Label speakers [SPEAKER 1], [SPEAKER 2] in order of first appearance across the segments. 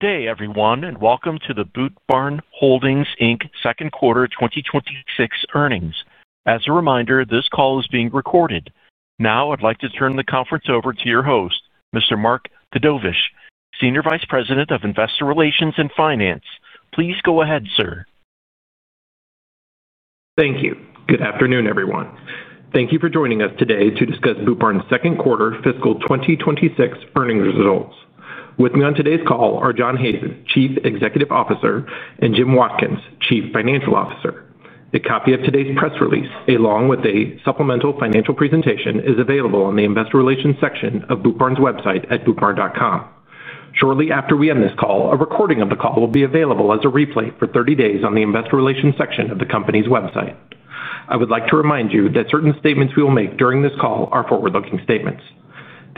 [SPEAKER 1] Good day, everyone, and welcome to the Boot Barn Holdings, Inc. second quarter 2026 earnings. As a reminder, this call is being recorded. Now, I'd like to turn the conference over to your host, Mr. Mark Dedovesh, Senior Vice President of Investor Relations and Finance. Please go ahead, sir.
[SPEAKER 2] Thank you. Good afternoon, everyone. Thank you for joining us today to discuss Boot Barn's second quarter fiscal 2026 earnings results. With me on today's call are John Hazen, Chief Executive Officer, and Jim Watkins, Chief Financial Officer. A copy of today's press release, along with a supplemental financial presentation, is available on the Investor Relations section of Boot Barn's website at bootbarn.com. Shortly after we end this call, a recording of the call will be available as a replay for 30 days on the Investor Relations section of the company's website. I would like to remind you that certain statements we will make during this call are forward-looking statements.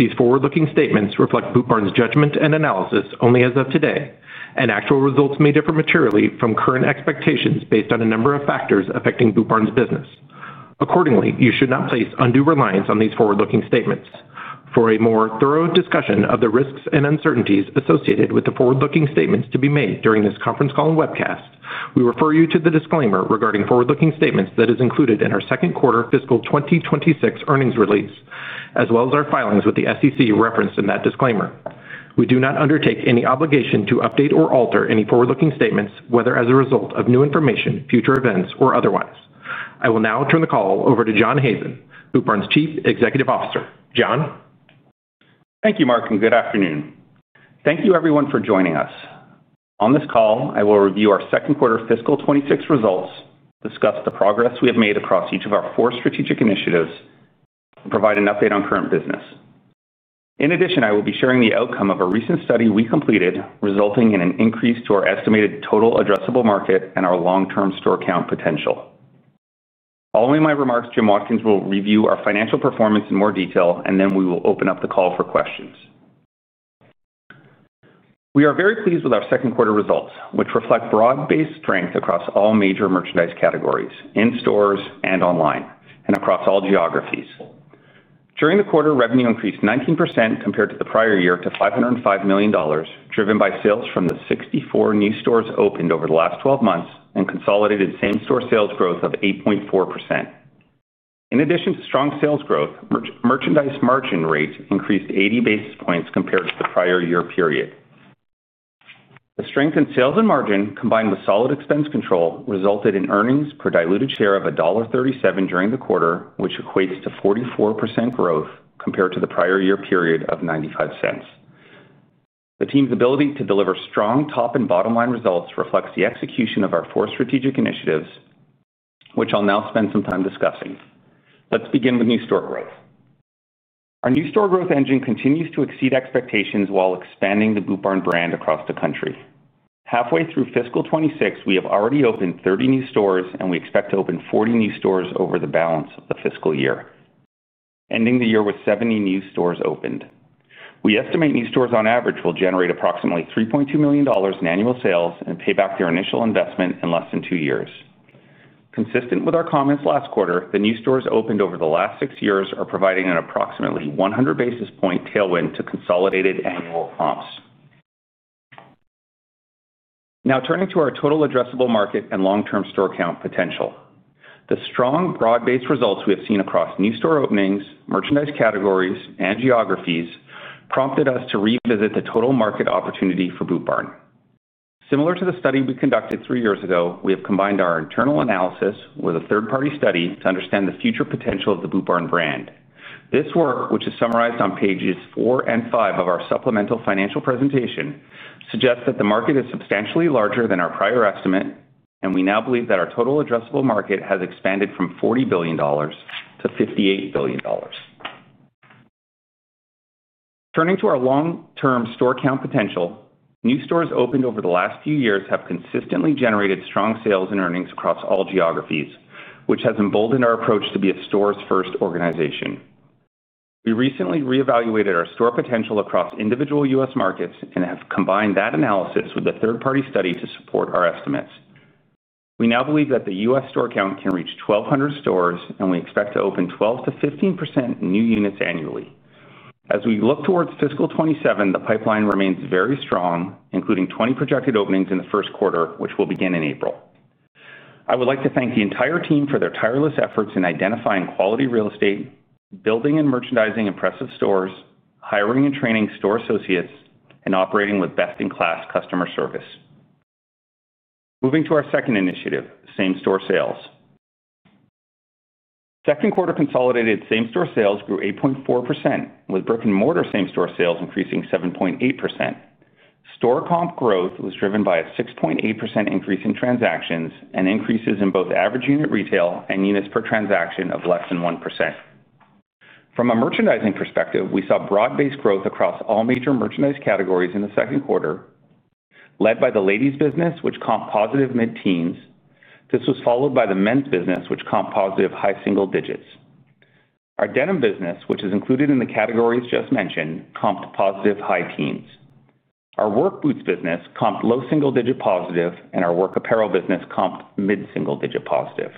[SPEAKER 2] These forward-looking statements reflect Boot Barn's judgment and analysis only as of today, and actual results may differ materially from current expectations based on a number of factors affecting Boot Barn's business. Accordingly, you should not place undue reliance on these forward-looking statements. For a more thorough discussion of the risks and uncertainties associated with the forward-looking statements to be made during this conference call and webcast, we refer you to the disclaimer regarding forward-looking statements that is included in our second quarter fiscal 2026 earnings release, as well as our filings with the SEC referenced in that disclaimer. We do not undertake any obligation to update or alter any forward-looking statements, whether as a result of new information, future events, or otherwise. I will now turn the call over to John Hazen, Boot Barn's Chief Executive Officer. John?
[SPEAKER 3] Thank you, Mark, and good afternoon. Thank you, everyone, for joining us. On this call, I will review our second quarter fiscal 2026 results, discuss the progress we have made across each of our four strategic initiatives, and provide an update on current business. In addition, I will be sharing the outcome of a recent study we completed, resulting in an increase to our estimated total addressable market and our long-term U.S. store count potential. Following my remarks, Jim Watkins will review our financial performance in more detail, and then we will open up the call for questions. We are very pleased with our second quarter results, which reflect broad-based strength across all major merchandise categories, in stores and online, and across all geographies. During the quarter, revenue increased 19% compared to the prior year to $505 million, driven by sales from the 64 new stores opened over the last 12 months and consolidated same-store sales growth of 8.4%. In addition to strong sales growth, merchandise margin rates increased 80 basis points compared to the prior year period. The strength in sales and margin, combined with solid expense control, resulted in earnings per diluted share of $1.37 during the quarter, which equates to 44% growth compared to the prior year period of $0.95. The team's ability to deliver strong top and bottom-line results reflects the execution of our four strategic initiatives, which I'll now spend some time discussing. Let's begin with new store growth. Our new store growth engine continues to exceed expectations while expanding the Boot Barn brand across the country. Halfway through fiscal 2026, we have already opened 30 new stores, and we expect to open 40 new stores over the balance of the fiscal year, ending the year with 70 new stores opened. We estimate new stores on average will generate approximately $3.2 million in annual sales and pay back their initial investment in less than two years. Consistent with our comments last quarter, the new stores opened over the last six years are providing an approximately 100 basis point tailwind to consolidated annual comps. Now, turning to our total addressable market and long-term U.S. store count potential. The strong broad-based results we have seen across new store openings, merchandise categories, and geographies prompted us to revisit the total market opportunity for Boot Barn. Similar to the study we conducted three years ago, we have combined our internal analysis with a third-party study to understand the future potential of the Boot Barn brand. This work, which is summarized on pages four and five of our supplemental financial presentation, suggests that the market is substantially larger than our prior estimate, and we now believe that our total addressable market has expanded from $40 billion-$58 billion. Turning to our long-term U.S. store count potential, new stores opened over the last few years have consistently generated strong sales and earnings across all geographies, which has emboldened our approach to be a stores-first organization. We recently reevaluated our store potential across individual U.S. markets and have combined that analysis with a third-party study to support our estimates. We now believe that the U.S. store count can reach 1,200 stores, and we expect to open 12%-15% new units annually. As we look towards fiscal 2027, the pipeline remains very strong, including 20 projected openings in the first quarter, which will begin in April. I would like to thank the entire team for their tireless efforts in identifying quality real estate, building and merchandising impressive stores, hiring and training store associates, and operating with best-in-class customer service. Moving to our second initiative, same-store sales. Second quarter consolidated same-store sales grew 8.4%, with brick-and-mortar same-store sales increasing 7.8%. Store comp growth was driven by a 6.8% increase in transactions and increases in both average unit retail and units per transaction of less than 1%. From a merchandising perspective, we saw broad-based growth across all major merchandise categories in the second quarter, led by the ladies' business, which comped positive mid-teens. This was followed by the men's business, which comped positive high single digits. Our denim business, which is included in the categories just mentioned, comped positive high teens. Our work boots business comped low single digit positive, and our work apparel business comped mid-single digit positive.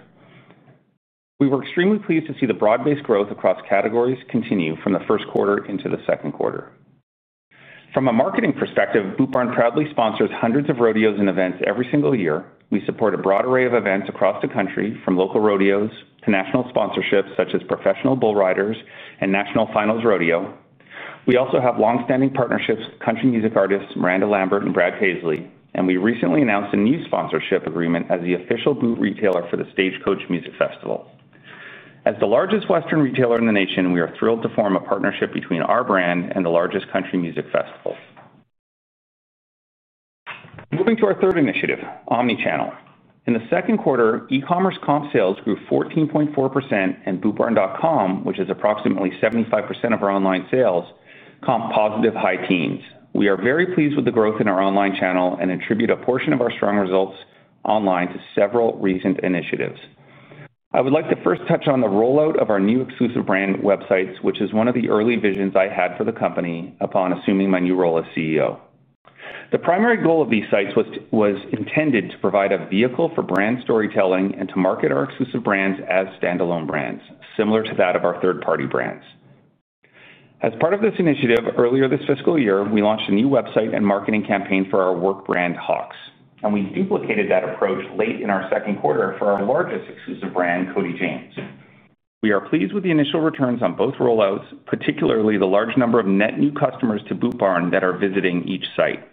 [SPEAKER 3] We were extremely pleased to see the broad-based growth across categories continue from the first quarter into the second quarter. From a marketing perspective, Boot Barn proudly sponsors hundreds of rodeos and events every single year. We support a broad array of events across the country, from local rodeos to national sponsorships such as Professional Bull Riders and National Finals Rodeo. We also have longstanding partnerships with country music artists Miranda Lambert and Brad Paisley, and we recently announced a new sponsorship agreement as the official boot retailer for the Stagecoach Music Festival. As the largest Western retailer in the nation, we are thrilled to form a partnership between our brand and the largest country music festivals. Moving to our third initiative, omnichannel. In the second quarter, e-commerce comp sales grew 14.4%, and bootbarn.com, which is approximately 75% of our online sales, comped positive high teens. We are very pleased with the growth in our online channel and attribute a portion of our strong results online to several recent initiatives. I would like to first touch on the rollout of our new exclusive brand websites, which is one of the early visions I had for the company upon assuming my new role as CEO. The primary goal of these sites was intended to provide a vehicle for brand storytelling and to market our exclusive brands as standalone brands, similar to that of our third-party brands. As part of this initiative, earlier this fiscal year, we launched a new website and marketing campaign for our work brand, Hawx, and we duplicated that approach late in our second quarter for our largest exclusive brand, Cody James. We are pleased with the initial returns on both rollouts, particularly the large number of net new customers to Boot Barn that are visiting each site.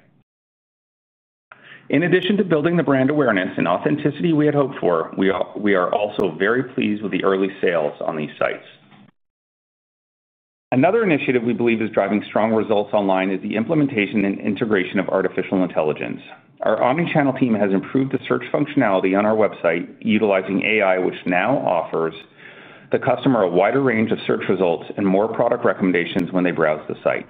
[SPEAKER 3] In addition to building the brand awareness and authenticity we had hoped for, we are also very pleased with the early sales on these sites. Another initiative we believe is driving strong results online is the implementation and integration of artificial intelligence. Our omnichannel team has improved the search functionality on our website, utilizing AI, which now offers the customer a wider range of search results and more product recommendations when they browse the site.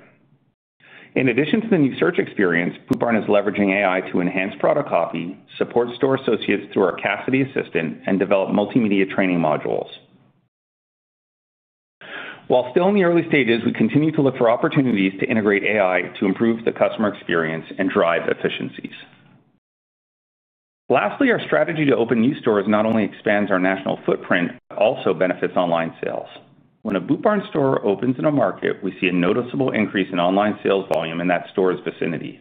[SPEAKER 3] In addition to the new search experience, Boot Barn is leveraging AI to enhance product copy, support store associates through our Cassidy assistant, and develop multimedia training modules. While still in the early stages, we continue to look for opportunities to integrate AI to improve the customer experience and drive efficiencies. Lastly, our strategy to open new stores not only expands our national footprint but also benefits online sales. When a Boot Barn store opens in a market, we see a noticeable increase in online sales volume in that store's vicinity.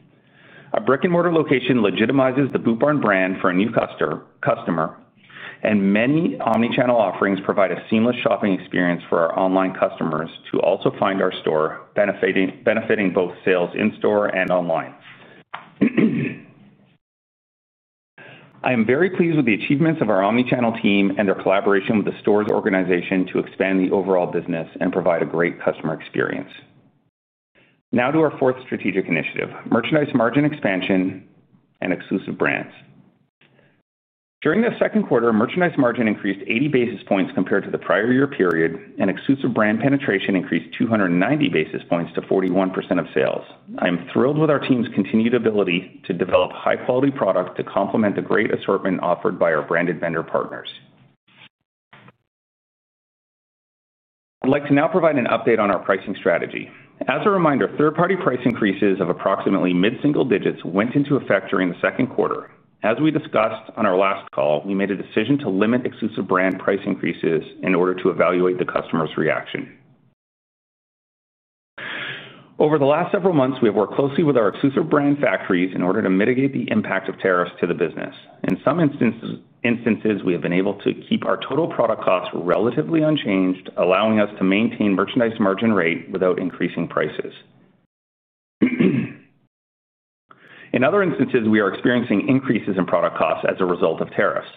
[SPEAKER 3] A brick-and-mortar location legitimizes the Boot Barn brand for a new customer, and many omnichannel offerings provide a seamless shopping experience for our online customers to also find our store, benefiting both sales in-store and online. I am very pleased with the achievements of our omnichannel team and our collaboration with the stores organization to expand the overall business and provide a great customer experience. Now to our fourth strategic initiative, merchandise margin expansion and exclusive brands. During the second quarter, merchandise margin increased 80 basis points compared to the prior year period, and exclusive brand penetration increased 290 basis points to 41% of sales. I am thrilled with our team's continued ability to develop high-quality product to complement the great assortment offered by our branded vendor partners. I'd like to now provide an update on our pricing strategy. As a reminder, third-party price increases of approximately mid-single digits went into effect during the second quarter. As we discussed on our last call, we made a decision to limit exclusive brand price increases in order to evaluate the customer's reaction. Over the last several months, we have worked closely with our exclusive brand factories in order to mitigate the impact of tariffs to the business. In some instances, we have been able to keep our total product costs relatively unchanged, allowing us to maintain merchandise margin rate without increasing prices. In other instances, we are experiencing increases in product costs as a result of tariffs.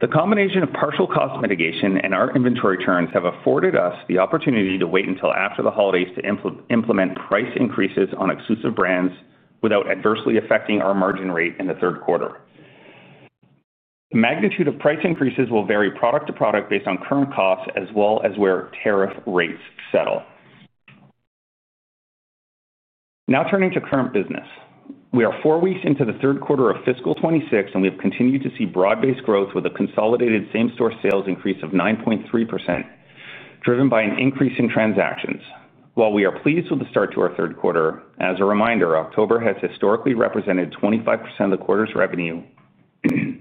[SPEAKER 3] The combination of partial cost mitigation and our inventory churns have afforded us the opportunity to wait until after the holidays to implement price increases on exclusive brands without adversely affecting our margin rate in the third quarter. The magnitude of price increases will vary product to product based on current costs, as well as where tariff rates settle. Now turning to current business, we are four weeks into the third quarter of fiscal 2026, and we have continued to see broad-based growth with a consolidated same-store sales increase of 9.3%, driven by an increase in transactions. While we are pleased with the start to our third quarter, as a reminder, October has historically represented 25% of the quarter's revenue,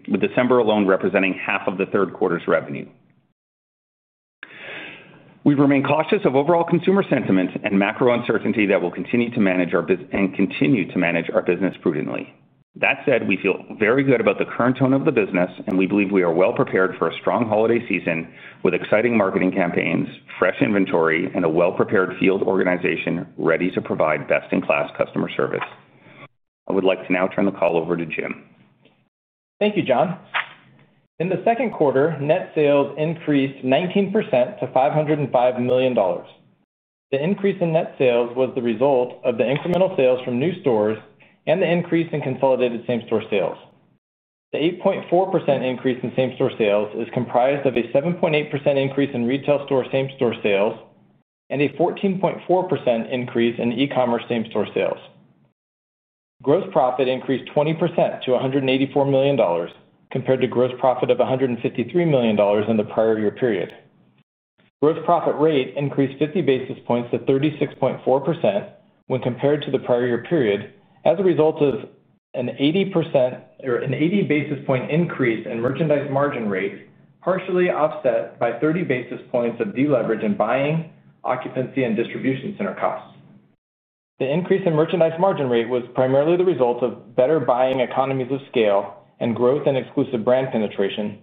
[SPEAKER 3] with December alone representing half of the third quarter's revenue. We remain cautious of overall consumer sentiment and macro uncertainty that will continue to manage our business and continue to manage our business prudently. That said, we feel very good about the current tone of the business, and we believe we are well prepared for a strong holiday season with exciting marketing campaigns, fresh inventory, and a well-prepared field organization ready to provide best-in-class customer service. I would like to now turn the call over to Jim.
[SPEAKER 4] Thank you, John. In the second quarter, net sales increased 19% to $505 million. The increase in net sales was the result of the incremental sales from new stores and the increase in consolidated same-store sales. The 8.4% increase in same-store sales is comprised of a 7.8% increase in retail store same-store sales and a 14.4% increase in e-commerce same-store sales. Gross profit increased 20% to $184 million compared to gross profit of $153 million in the prior year period. Gross profit rate increased 50 basis points to 36.4% when compared to the prior year period, as a result of an 80 basis point increase in merchandise margin rate, partially offset by 30 basis points of deleverage in buying, occupancy, and distribution center costs. The increase in merchandise margin rate was primarily the result of better buying economies of scale and growth in exclusive brand penetration,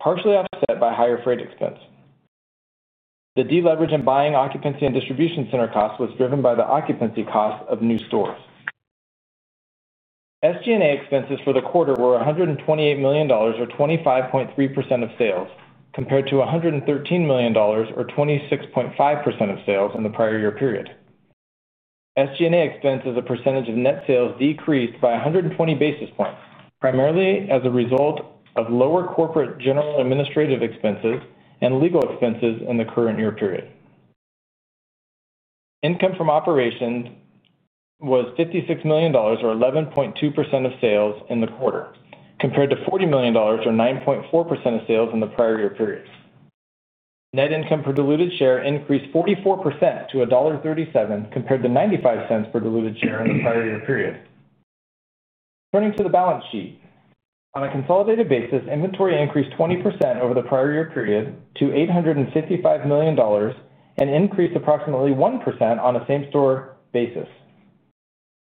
[SPEAKER 4] partially offset by higher freight expense. The deleverage in buying, occupancy, and distribution center costs was driven by the occupancy costs of new stores. SG&A expenses for the quarter were $128 million, or 25.3% of sales, compared to $113 million, or 26.5% of sales in the prior year period. SG&A expenses as a percentage of net sales decreased by 120 basis points, primarily as a result of lower corporate general administrative expenses and legal expenses in the current year period. Income from operations was $56 million, or 11.2% of sales in the quarter, compared to $40 million, or 9.4% of sales in the prior year period. Net income per diluted share increased 44% to $1.37, compared to $0.95 per diluted share in the prior year period. Turning to the balance sheet, on a consolidated basis, inventory increased 20% over the prior year period to $855 million and increased approximately 1% on a same-store basis.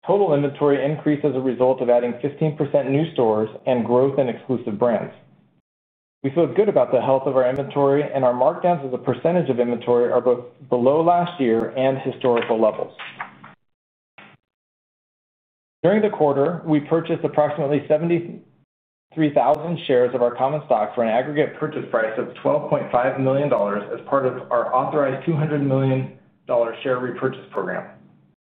[SPEAKER 4] Total inventory increased as a result of adding 15% new stores and growth in exclusive brands. We feel good about the health of our inventory, and our markdowns as a percentage of inventory are both below last year and historical levels. During the quarter, we purchased approximately 73,000 shares of our common stock for an aggregate purchase price of $12.5 million as part of our authorized $200 million share repurchase program.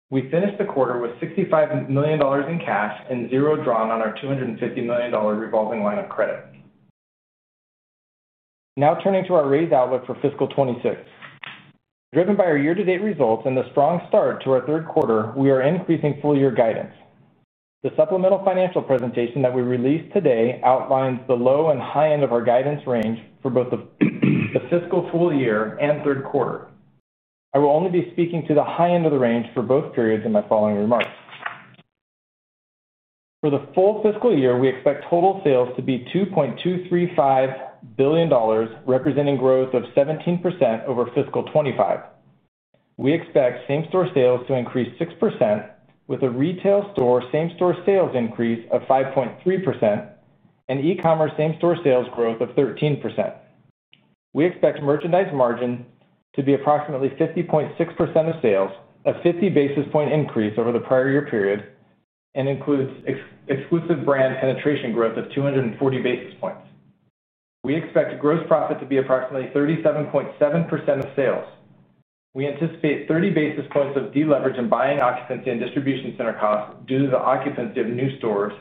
[SPEAKER 4] We finished the quarter with $65 million in cash and zero drawn on our $250 million revolving line of credit. Now turning to our raised outlook for fiscal 2026. Driven by our year-to-date results and the strong start to our third quarter, we are increasing full-year guidance. The supplemental financial presentation that we released today outlines the low and high end of our guidance range for both the fiscal full year and third quarter. I will only be speaking to the high end of the range for both periods in my following remarks. For the full fiscal year, we expect total sales to be $2.235 billion, representing growth of 17% over fiscal 2025. We expect same-store sales to increase 6%, with a retail store same-store sales increase of 5.3% and e-commerce same-store sales growth of 13%. We expect merchandise margin to be approximately 50.6% of sales, a 50 basis point increase over the prior year period, and includes exclusive brand penetration growth of 240 basis points. We expect gross profit to be approximately 37.7% of sales. We anticipate 30 basis points of deleverage in buying, occupancy, and distribution center costs due to the occupancy of new stores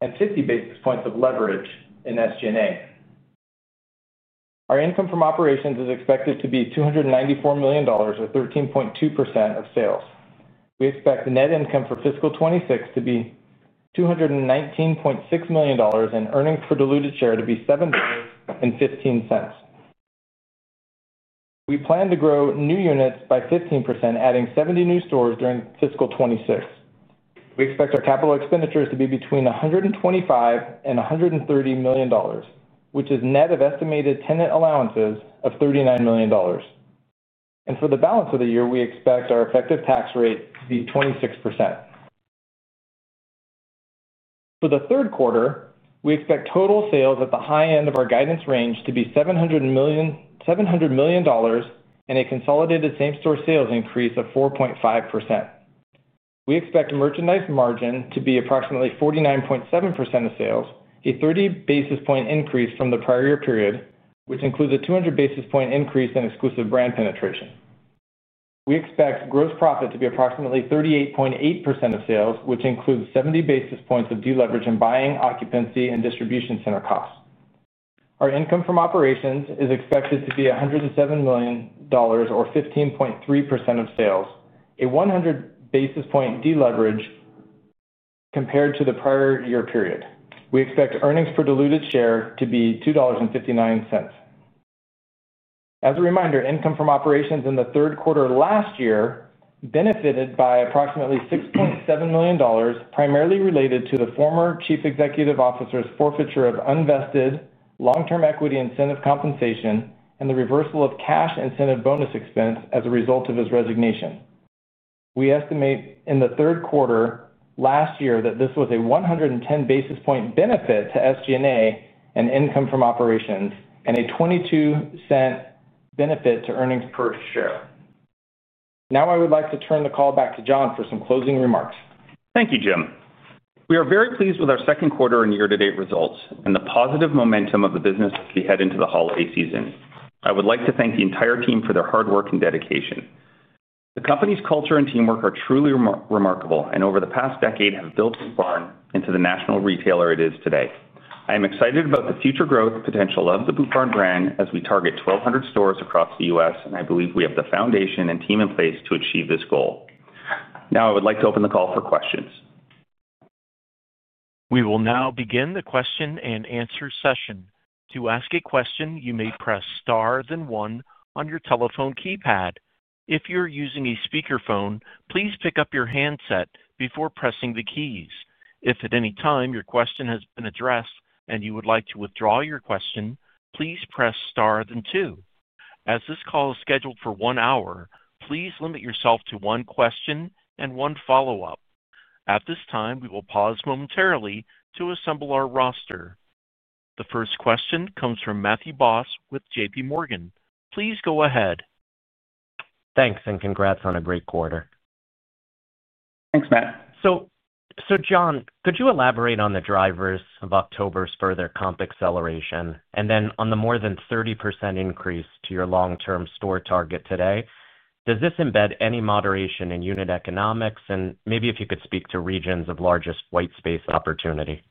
[SPEAKER 4] and 50 basis points of leverage in SG&A. Our income from operations is expected to be $294 million, or 13.2% of sales. We expect the net income for fiscal 2026 to be $219.6 million and earnings per diluted share to be $7.15. We plan to grow new units by 15%, adding 70 new stores during fiscal 2026. We expect our capital expenditures to be between $125 and $130 million, which is net of estimated tenant allowances of $39 million. For the balance of the year, we expect our effective tax rate to be 26%. For the third quarter, we expect total sales at the high end of our guidance range to be $700 million and a consolidated same-store sales increase of 4.5%. We expect merchandise margin to be approximately 49.7% of sales, a 30 basis point increase from the prior year period, which includes a 200 basis point increase in exclusive brand penetration. We expect gross profit to be approximately 38.8% of sales, which includes 70 basis points of deleverage in buying, occupancy, and distribution center costs. Our income from operations is expected to be $107 million, or 15.3% of sales, a 100 basis point deleverage compared to the prior year period. We expect earnings per diluted share to be $2.59. As a reminder, income from operations in the third quarter last year benefited by approximately $6.7 million, primarily related to the former Chief Executive Officer's forfeiture of unvested long-term equity incentive compensation and the reversal of cash incentive bonus expense as a result of his resignation. We estimate in the third quarter last year that this was a 110 basis point benefit to SG&A and income from operations and a $0.22 benefit to earnings per share. Now I would like to turn the call back to John for some closing remarks. Thank you, Jim. We are very pleased with our second quarter and year-to-date results and the positive momentum of the business as we head into the holiday season. I would like to thank the entire team for their hard work and dedication. The company's culture and teamwork are truly remarkable and over the past decade have built Boot Barn into the national retailer it is today. I am excited about the future growth potential of the Boot Barn brand as we target 1,200 stores across the U.S., and I believe we have the foundation and team in place to achieve this goal. Now I would like to open the call for questions.
[SPEAKER 1] We will now begin the question and answer session. To ask a question, you may press star then one on your telephone keypad. If you're using a speakerphone, please pick up your handset before pressing the keys. If at any time your question has been addressed and you would like to withdraw your question, please press star then two. As this call is scheduled for one hour, please limit yourself to one question and one follow-up. At this time, we will pause momentarily to assemble our roster. The first question comes from Matthew Boss with JPMorgan. Please go ahead.
[SPEAKER 5] Thanks, and congrats on a great quarter.
[SPEAKER 3] Thanks, Matt.
[SPEAKER 5] John, could you elaborate on the drivers of October's further comp acceleration and then on the more than 30% increase to your long-term U.S. store count potential today? Does this embed any moderation in unit economics? Maybe if you could speak to regions of largest white space opportunity.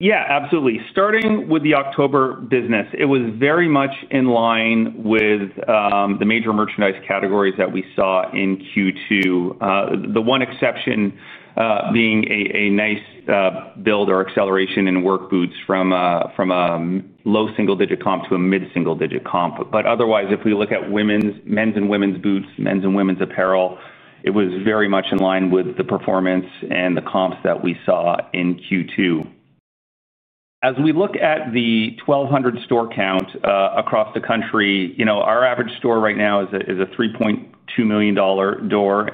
[SPEAKER 3] Yeah, absolutely. Starting with the October business, it was very much in line with the major merchandise categories that we saw in Q2. The one exception being a nice build or acceleration in work boots from a low single-digit comp to a mid-single-digit comp. Otherwise, if we look at men's and women's boots, men's and women's apparel, it was very much in line with the performance and the comps that we saw in Q2. As we look at the 1,200 store count across the country, you know our average store right now is a $3.2 million door,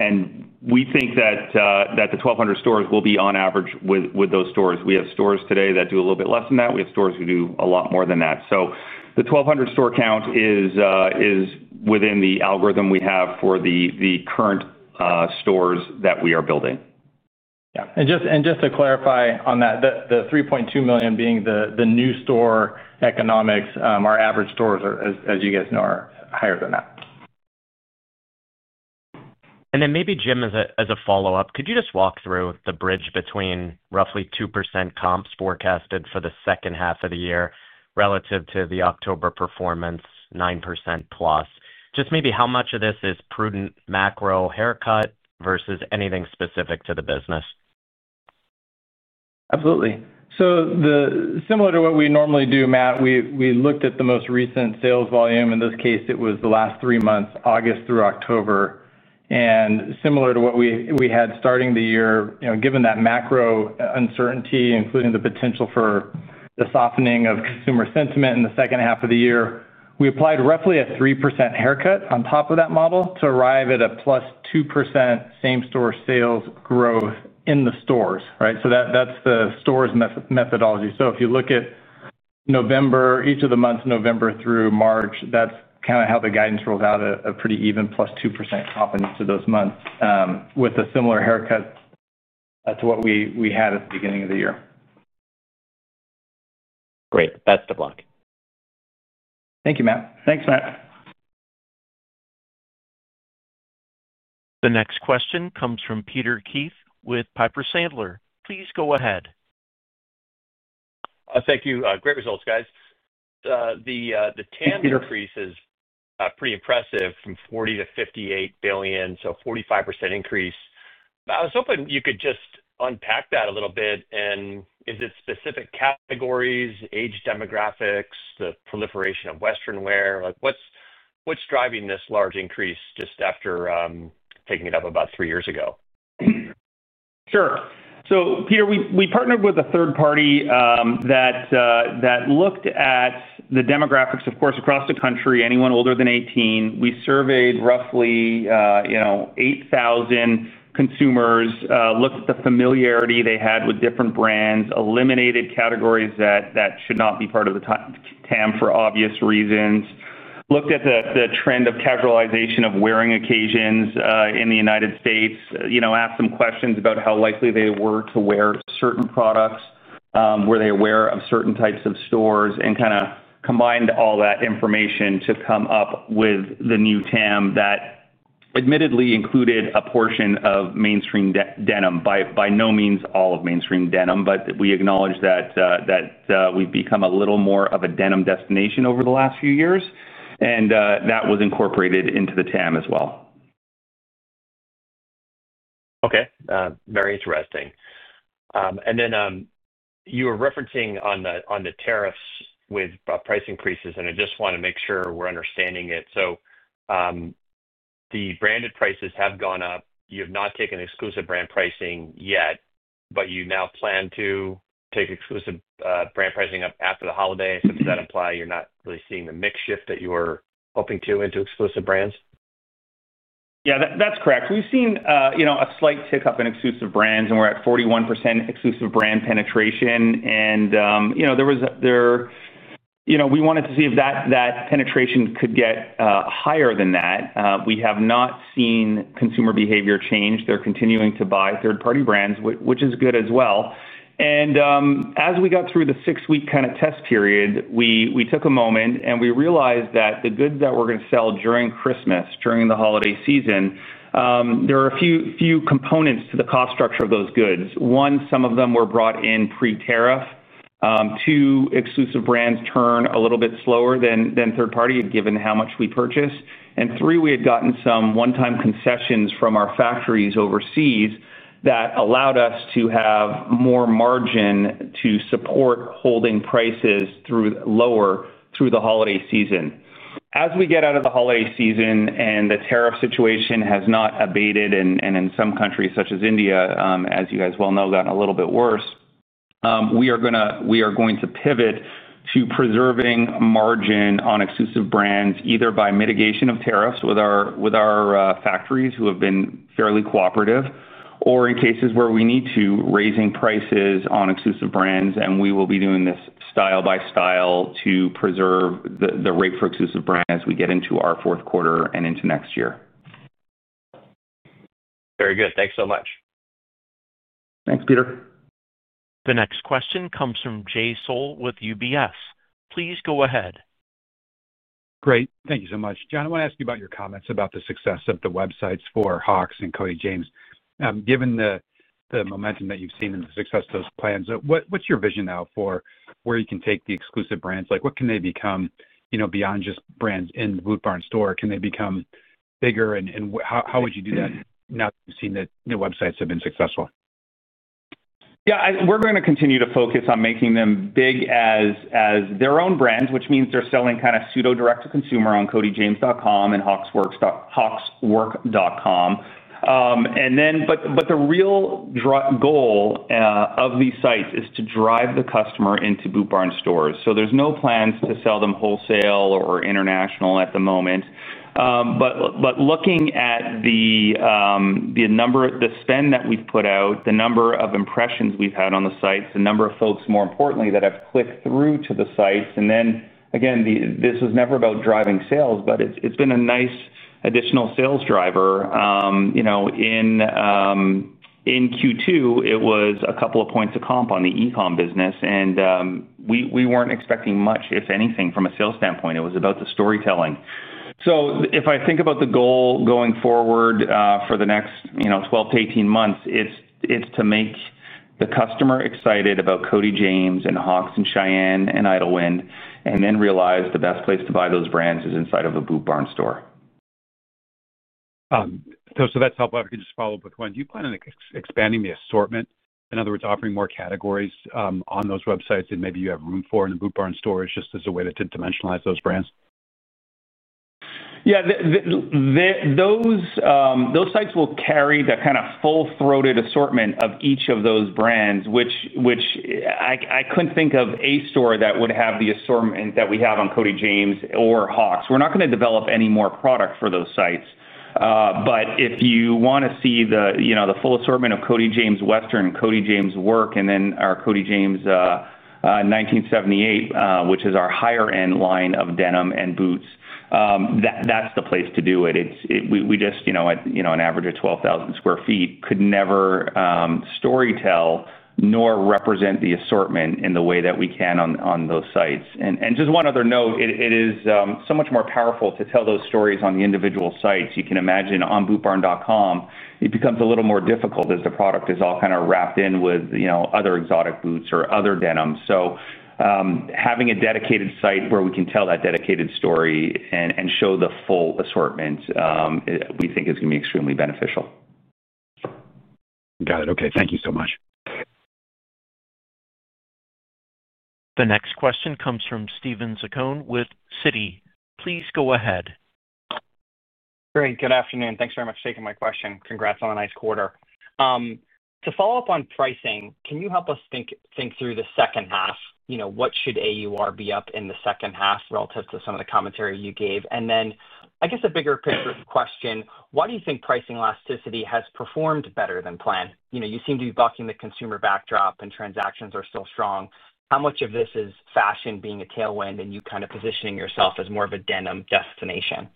[SPEAKER 3] and we think that the 1,200 stores will be on average with those stores. We have stores today that do a little bit less than that. We have stores who do a lot more than that. The 1,200 store count is within the algorithm we have for the current stores that we are building.
[SPEAKER 4] Yeah, and just to clarify on that, the $3.2 million being the new store economics, our average stores, as you guys know, are higher than that.
[SPEAKER 5] Maybe, Jim, as a follow-up, could you just walk through the bridge between roughly 2% comps forecasted for the second half of the year relative to the October performance, 9% plus? Just maybe how much of this is prudent macro haircut versus anything specific to the business?
[SPEAKER 4] Absolutely. Similar to what we normally do, Matt, we looked at the most recent sales volume. In this case, it was the last three months, August through October. Similar to what we had starting the year, given that macro uncertainty, including the potential for the softening of consumer sentiment in the second half of the year, we applied roughly a 3% haircut on top of that model to arrive at a +2% same-store sales growth in the stores. That's the store's methodology. If you look at each of the months, November through March, that's kind of how the guidance rolls out, a pretty even +2% comp in each of those months with a similar haircut to what we had at the beginning of the year.
[SPEAKER 5] Great. Best of luck.
[SPEAKER 4] Thank you, Matt.
[SPEAKER 1] The next question comes from Peter Keith with Piper Sandler. Please go ahead.
[SPEAKER 6] Thank you. Great results, guys. The TAM increase is pretty impressive, from $40 billion-$58 billion, so a 45% increase. I was hoping you could just unpack that a little bit. Is it specific categories, age demographics, the proliferation of Western wear? What's driving this large increase just after taking it up about three years ago?
[SPEAKER 3] Sure. Peter, we partnered with a third party that looked at the demographics, of course, across the country, anyone older than 18. We surveyed roughly 8,000 consumers, looked at the familiarity they had with different brands, eliminated categories that should not be part of the TAM for obvious reasons, looked at the trend of casualization of wearing occasions in the U.S., asked some questions about how likely they were to wear certain products, were they aware of certain types of stores, and kind of combined all that information to come up with the new TAM that admittedly included a portion of mainstream denim, by no means all of mainstream denim, but we acknowledge that we've become a little more of a denim destination over the last few years. That was incorporated into the TAM as well.
[SPEAKER 6] Okay. Very interesting. You were referencing on the tariffs with price increases, and I just want to make sure we're understanding it. The branded prices have gone up. You have not taken exclusive brand pricing yet, but you now plan to take exclusive brand pricing up after the holiday. Does that apply? You're not really seeing the mix shift that you were hoping to into exclusive brands?
[SPEAKER 3] Yeah, that's correct. We've seen a slight tick up in exclusive brands, and we're at 41% exclusive brand penetration. We wanted to see if that penetration could get higher than that. We have not seen consumer behavior change. They're continuing to buy third-party brands, which is good as well. As we got through the six-week kind of test period, we took a moment and realized that the goods that we're going to sell during Christmas, during the holiday season, there are a few components to the cost structure of those goods. One, some of them were brought in pre-tariff. Two, exclusive brands turn a little bit slower than third-party, given how much we purchase. Three, we had gotten some one-time concessions from our factories overseas that allowed us to have more margin to support holding prices lower through the holiday season. As we get out of the holiday season and the tariff situation has not abated, and in some countries, such as India, as you guys well know, gotten a little bit worse, we are going to pivot to preserving margin on exclusive brands, either by mitigation of tariffs with our factories, who have been fairly cooperative, or in cases where we need to, raising prices on exclusive brands. We will be doing this style by style to preserve the rate for exclusive brands as we get into our fourth quarter and into next year.
[SPEAKER 6] Very good. Thanks so much.
[SPEAKER 3] Thanks, Peter.
[SPEAKER 1] The next question comes from Jay Sole with UBS. Please go ahead.
[SPEAKER 7] Great. Thank you so much. John, I want to ask you about your comments about the success of the websites for Hawx and Cody James. Given the momentum that you've seen and the success of those plans, what's your vision now for where you can take the exclusive brands? Like what can they become beyond just brands in the Boot Barn store? Can they become bigger? How would you do that now that you've seen that the websites have been successful?
[SPEAKER 3] Yeah, we're going to continue to focus on making them big as their own brands, which means they're selling kind of pseudo-direct-to-consumer on codyjames.com and hawxwork.com. The real goal of these sites is to drive the customer into Boot Barn stores. There are no plans to sell them wholesale or international at the moment. Looking at the number, the spend that we've put out, the number of impressions we've had on the sites, the number of folks, more importantly, that have clicked through to the sites, this was never about driving sales, but it's been a nice additional sales driver. In Q2, it was a couple of points of comp on the e-comm business. We weren't expecting much, if anything, from a sales standpoint. It was about the storytelling. If I think about the goal going forward for the next 12-18 months, it's to make the customer excited about Cody James and Hawx and Shyanne and Idyllwind and then realize the best place to buy those brands is inside of a Boot Barn store.
[SPEAKER 7] That's helpful. If I could just follow up with one, do you plan on expanding the assortment? In other words, offering more categories on those websites that maybe you have room for in the Boot Barn stores just as a way to dimensionalize those brands?
[SPEAKER 3] Yeah, those sites will carry the kind of full-throated assortment of each of those brands, which I couldn't think of a store that would have the assortment that we have on Cody James or Hawx. We're not going to develop any more product for those sites. If you want to see the full assortment of Cody James Western, Cody James Work, and then our Cody James 1978, which is our higher-end line of denim and boots, that's the place to do it. An average of 12,000 sq ft could never storytell nor represent the assortment in the way that we can on those sites. One other note, it is so much more powerful to tell those stories on the individual sites. You can imagine on bootbarn.com, it becomes a little more difficult as the product is all kind of wrapped in with other exotic boots or other denims. Having a dedicated site where we can tell that dedicated story and show the full assortment we think is going to be extremely beneficial.
[SPEAKER 7] Got it. Okay, thank you so much.
[SPEAKER 1] The next question comes from Steven Zaccone with Citi. Please go ahead.
[SPEAKER 8] Great. Good afternoon. Thanks very much for taking my question. Congrats on a nice quarter. To follow up on pricing, can you help us think through the second half? What should AUR be up in the second half relative to some of the commentary you gave? I guess a bigger picture question, why do you think pricing elasticity has performed better than planned? You seem to be bucking the consumer backdrop and transactions are still strong. How much of this is fashion being a tailwind and you kind of positioning yourself as more of a denim destination?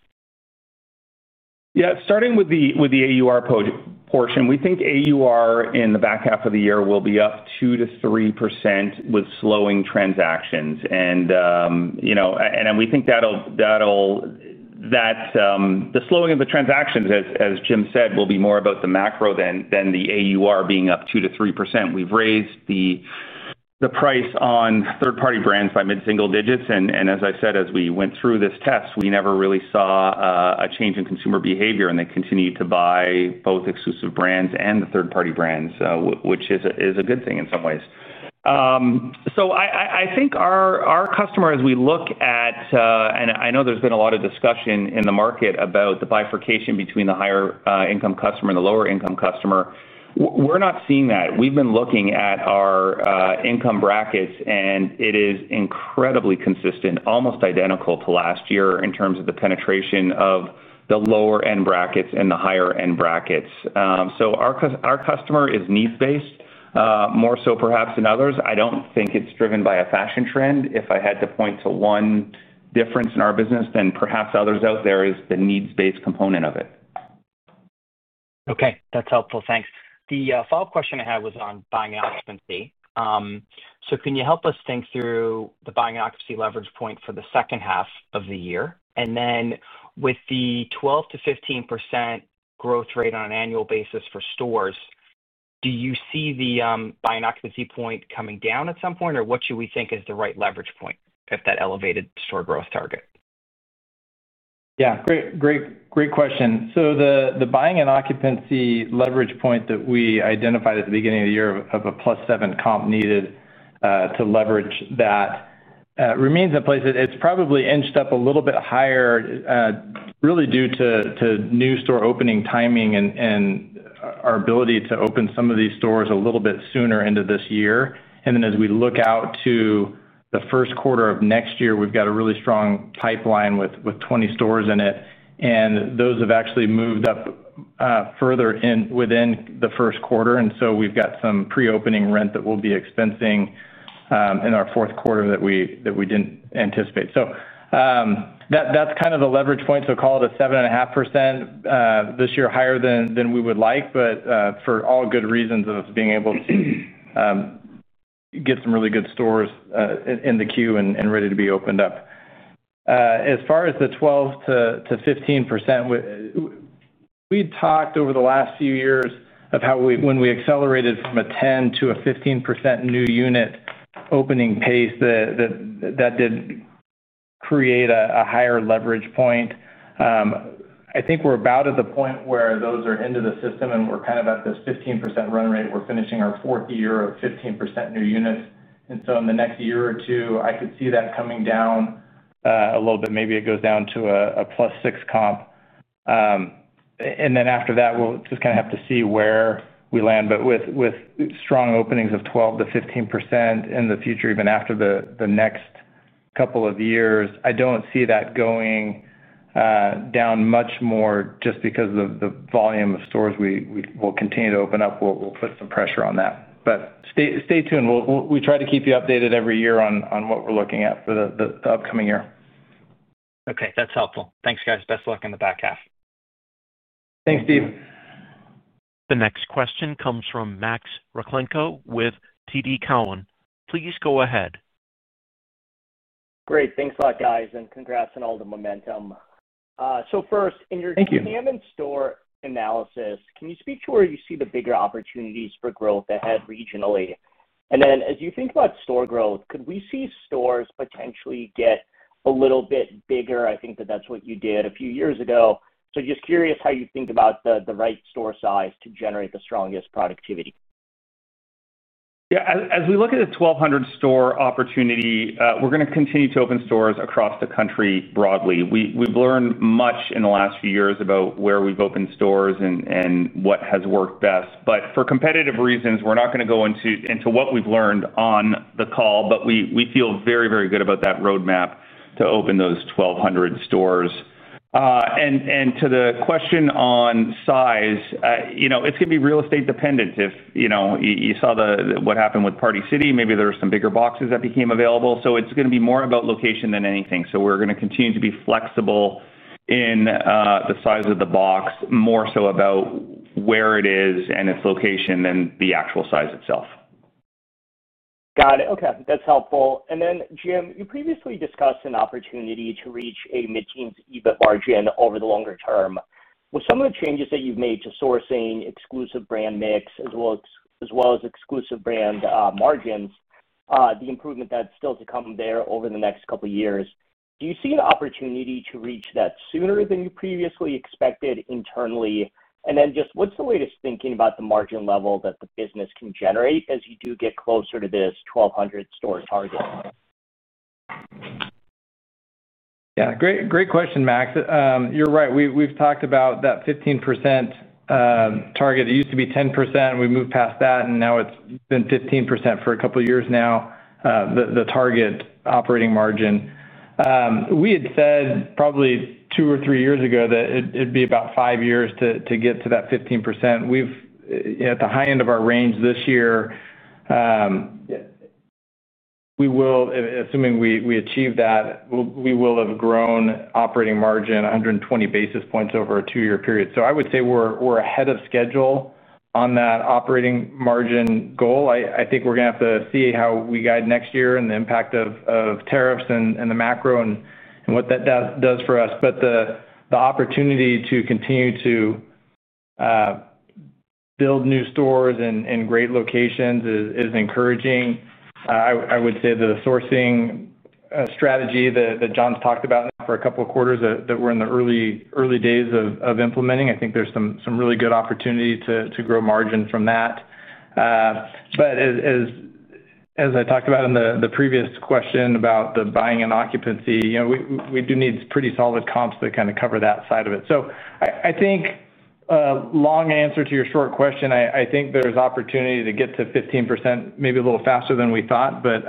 [SPEAKER 3] Yeah, starting with the AUR portion, we think AUR in the back half of the year will be up 2%-3% with slowing transactions. We think that the slowing of the transactions, as Jim said, will be more about the macro than the AUR being up 2%-3%. We've raised the price on third-party brands by mid-single digits. As I said, as we went through this test, we never really saw a change in consumer behavior, and they continued to buy both exclusive brands and the third-party brands, which is a good thing in some ways. I think our customer, as we look at, and I know there's been a lot of discussion in the market about the bifurcation between the higher-income customer and the lower-income customer, we're not seeing that. We've been looking at our income brackets, and it is incredibly consistent, almost identical to last year in terms of the penetration of the lower-end brackets and the higher-end brackets. Our customer is needs-based, more so perhaps than others. I don't think it's driven by a fashion trend. If I had to point to one difference in our business than perhaps others out there, it is the needs-based component of it.
[SPEAKER 8] Okay. That's helpful. Thanks. The follow-up question I had was on buying and occupancy. Can you help us think through the buying and occupancy leverage point for the second half of the year? With the 12%-15% growth rate on an annual basis for stores, do you see the buying occupancy point coming down at some point, or what should we think is the right leverage point at that elevated store growth target?
[SPEAKER 4] Yeah, great question. The buying and occupancy leverage point that we identified at the beginning of the year of a +7 comp needed to leverage that remains in place. It's probably inched up a little bit higher, really due to new store opening timing and our ability to open some of these stores a little bit sooner into this year. As we look out to the first quarter of next year, we've got a really strong pipeline with 20 stores in it. Those have actually moved up further within the first quarter. We've got some pre-opening rent that we'll be expensing in our fourth quarter that we didn't anticipate. That's kind of the leverage point. Call it a 7.5% this year, higher than we would like, but for all good reasons of being able to get some really good stores in the queue and ready to be opened up. As far as the 12%-15%, we talked over the last few years of how when we accelerated from a 10% to a 15% new unit opening pace, that did create a higher leverage point. I think we're about at the point where those are into the system and we're kind of at this 15% run rate. We're finishing our fourth year of 15% new units. In the next year or two, I could see that coming down a little bit. Maybe it goes down to a +6 comp. After that, we'll just have to see where we land. With strong openings of 12%-15% in the future, even after the next couple of years, I don't see that going down much more just because of the volume of stores we will continue to open up. We'll put some pressure on that. Stay tuned. We try to keep you updated every year on what we're looking at for the upcoming year.
[SPEAKER 8] Okay. That's helpful. Thanks, guys. Best of luck in the back half.
[SPEAKER 4] Thanks, Steve.
[SPEAKER 1] The next question comes from Max Rakhlenko with TD Cowen. Please go ahead.
[SPEAKER 9] Great. Thanks a lot, guys, and congrats on all the momentum. In your TAM and store analysis, can you speak to where you see the bigger opportunities for growth ahead regionally? As you think about store growth, could we see stores potentially get a little bit bigger? I think that that's what you did a few years ago. Just curious how you think about the right store size to generate the strongest productivity.
[SPEAKER 3] Yeah, as we look at the 1,200 store opportunity, we're going to continue to open stores across the country broadly. We've learned much in the last few years about where we've opened stores and what has worked best. For competitive reasons, we're not going to go into what we've learned on the call, but we feel very, very good about that roadmap to open those 1,200 stores. To the question on size, you know it's going to be real estate dependent. If you saw what happened with Party City, maybe there were some bigger boxes that became available. It's going to be more about location than anything. We're going to continue to be flexible in the size of the box, more so about where it is and its location than the actual size itself.
[SPEAKER 9] Got it. Okay. That's helpful. Jim, you previously discussed an opportunity to reach a mid-teens EBIT margin over the longer term. With some of the changes that you've made to sourcing, exclusive brand mix, as well as exclusive brand margins, the improvement that's still to come there over the next couple of years, do you see an opportunity to reach that sooner than you previously expected internally? What's the latest thinking about the margin level that the business can generate as you do get closer to this 1,200 store target?
[SPEAKER 4] Yeah, great question, Max. You're right. We've talked about that 15% target. It used to be 10%. We moved past that, and now it's been 15% for a couple of years now, the target operating margin. We had said probably two or three years ago that it'd be about five years to get to that 15%. We're at the high end of our range this year. We will, assuming we achieve that, have grown operating margin 120 basis points over a two-year period. I would say we're ahead of schedule on that operating margin goal. I think we're going to have to see how we guide next year and the impact of tariffs and the macro and what that does for us. The opportunity to continue to build new stores in great locations is encouraging. I would say the sourcing strategy that John's talked about now for a couple of quarters that we're in the early days of implementing, I think there's some really good opportunity to grow margin from that. As I talked about in the previous question about the buying and occupancy, we do need pretty solid comps to kind of cover that side of it. I think a long answer to your short question, I think there's opportunity to get to 15% maybe a little faster than we thought, but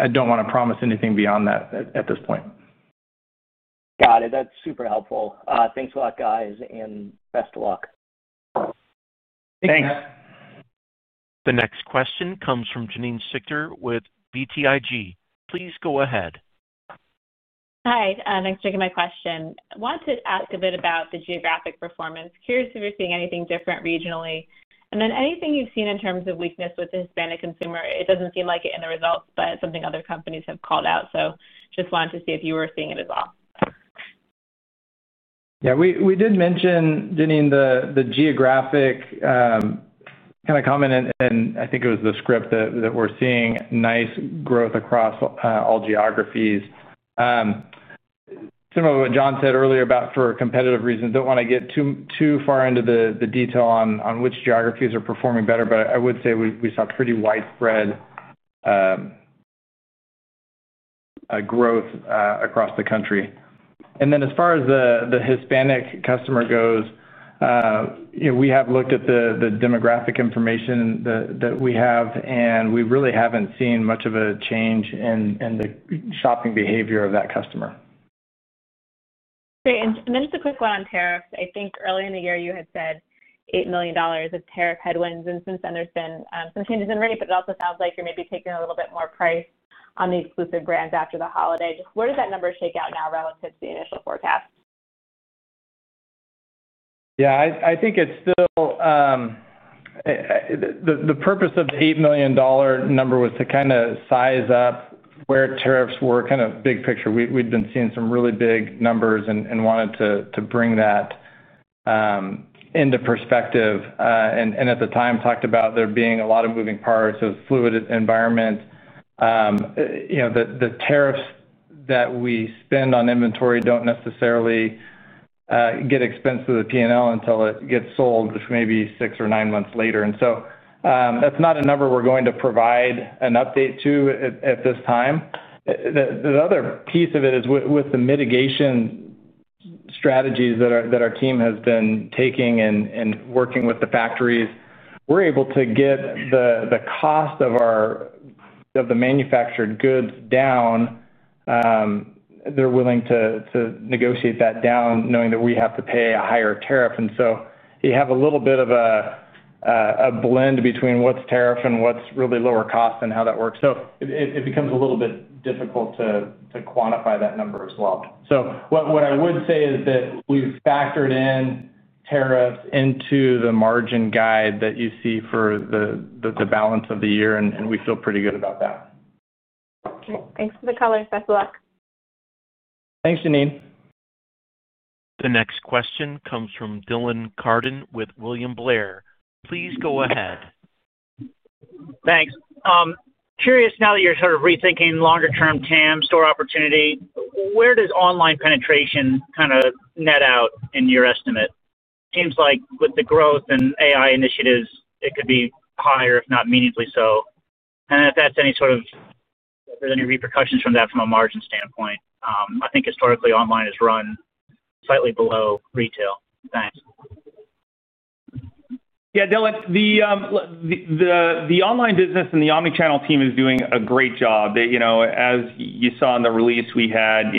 [SPEAKER 4] I don't want to promise anything beyond that at this point.
[SPEAKER 9] Got it. That's super helpful. Thanks a lot, guys, and best of luck.
[SPEAKER 3] Thanks.
[SPEAKER 1] The next question comes from Janine Stichter with BTIG. Please go ahead.
[SPEAKER 10] Hi. Thanks for taking my question. I wanted to ask a bit about the geographic performance. Curious if you're seeing anything different regionally. Is there anything you've seen in terms of weakness with the Hispanic consumer? It doesn't seem like it in the results, but it's something other companies have called out. I just wanted to see if you were seeing it as well.
[SPEAKER 4] Yeah, we did mention, Janine, the geographic kind of comment, and I think it was the script that we're seeing. Nice growth across all geographies. Similar to what John said earlier, for competitive reasons, I don't want to get too far into the detail on which geographies are performing better, but I would say we saw pretty widespread growth across the country. As far as the Hispanic customer goes, we have looked at the demographic information that we have, and we really haven't seen much of a change in the shopping behavior of that customer.
[SPEAKER 10] Great. Just a quick one on tariffs. I think earlier in the year, you had said $8 million of tariff headwinds. Since then, there's been some changes in rate, but it also sounds like you're maybe taking a little bit more price on the exclusive brands after the holiday. Just where does that number shake out now relative to the initial forecast?
[SPEAKER 4] Yeah, I think it's still the purpose of the $8 million number was to kind of size up where tariffs were, kind of big picture. We'd been seeing some really big numbers and wanted to bring that into perspective. At the time, talked about there being a lot of moving parts, it was a fluid environment. The tariffs that we spend on inventory don't necessarily get expensed to the P&L until it gets sold, which may be six or nine months later. That's not a number we're going to provide an update to at this time. The other piece of it is with the mitigation strategies that our team has been taking and working with the factories, we're able to get the cost of the manufactured goods down. They're willing to negotiate that down, knowing that we have to pay a higher tariff. You have a little bit of a blend between what's tariff and what's really lower cost and how that works. It becomes a little bit difficult to quantify that number as well. What I would say is that we've factored in tariffs into the margin guide that you see for the balance of the year, and we feel pretty good about that.
[SPEAKER 10] Okay. Thanks for the color. Best of luck.
[SPEAKER 4] Thanks, Janine.
[SPEAKER 1] The next question comes from Dylan Cardin with William Blair. Please go ahead.
[SPEAKER 11] Thanks. Curious now that you're sort of rethinking longer-term TAM store opportunity, where does online penetration kind of net out in your estimate? It seems like with the growth and AI initiatives, it could be higher, if not meaningfully so. If that's any sort of, if there's any repercussions from that from a margin standpoint. I think historically, online has run slightly below retail. Thanks.
[SPEAKER 3] Yeah, Dylan, the online business and the omnichannel team is doing a great job. As you saw in the release, we had a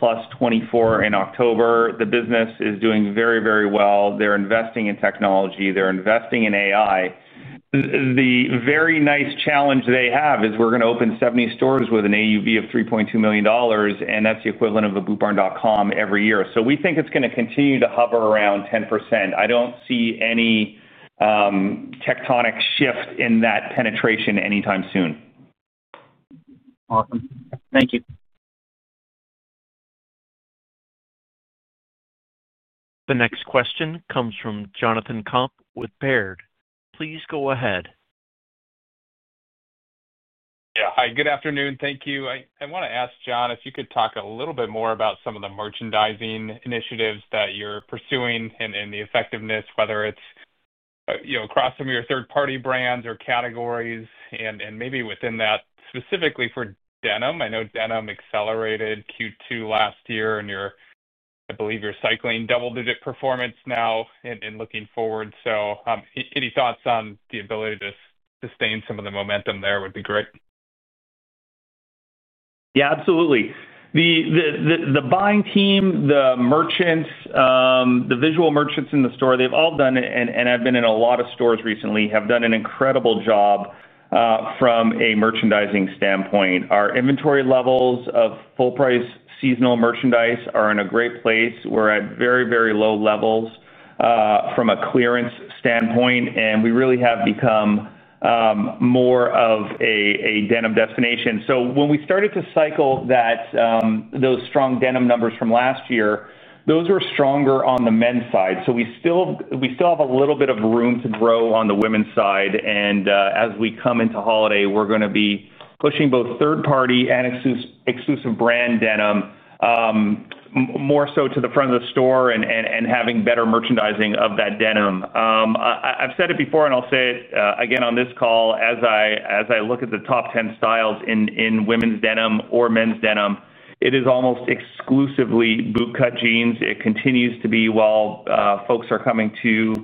[SPEAKER 3] +24% in October. The business is doing very, very well. They're investing in technology. They're investing in AI. The very nice challenge they have is we're going to open 70 stores with an AUV of $3.2 million, and that's the equivalent of a bootbarn.com every year. We think it's going to continue to hover around 10%. I don't see any tectonic shift in that penetration anytime soon.
[SPEAKER 11] Awesome. Thank you.
[SPEAKER 1] The next question comes from Jonathan Komp with Baird. Please go ahead.
[SPEAKER 12] Yeah. Hi. Good afternoon. Thank you. I want to ask, John, if you could talk a little bit more about some of the merchandising initiatives that you're pursuing and the effectiveness, whether it's across some of your third-party brands or categories and maybe within that specifically for denim. I know denim accelerated Q2 last year, and I believe you're cycling double-digit performance now and looking forward. Any thoughts on the ability to sustain some of the momentum there would be great.
[SPEAKER 3] Yeah, absolutely. The buying team, the merchants, the visual merchants in the store, they've all done it, and I've been in a lot of stores recently, have done an incredible job from a merchandising standpoint. Our inventory levels of full-price seasonal merchandise are in a great place. We're at very, very low levels from a clearance standpoint, and we really have become more of a denim destination. When we started to cycle those strong denim numbers from last year, those were stronger on the men's side. We still have a little bit of room to grow on the women's side. As we come into holiday, we're going to be pushing both third-party and exclusive brand denim more to the front of the store and having better merchandising of that denim. I've said it before, and I'll say it again on this call. As I look at the top 10 styles in women's denim or men's denim, it is almost exclusively bootcut jeans. It continues to be, while folks are coming to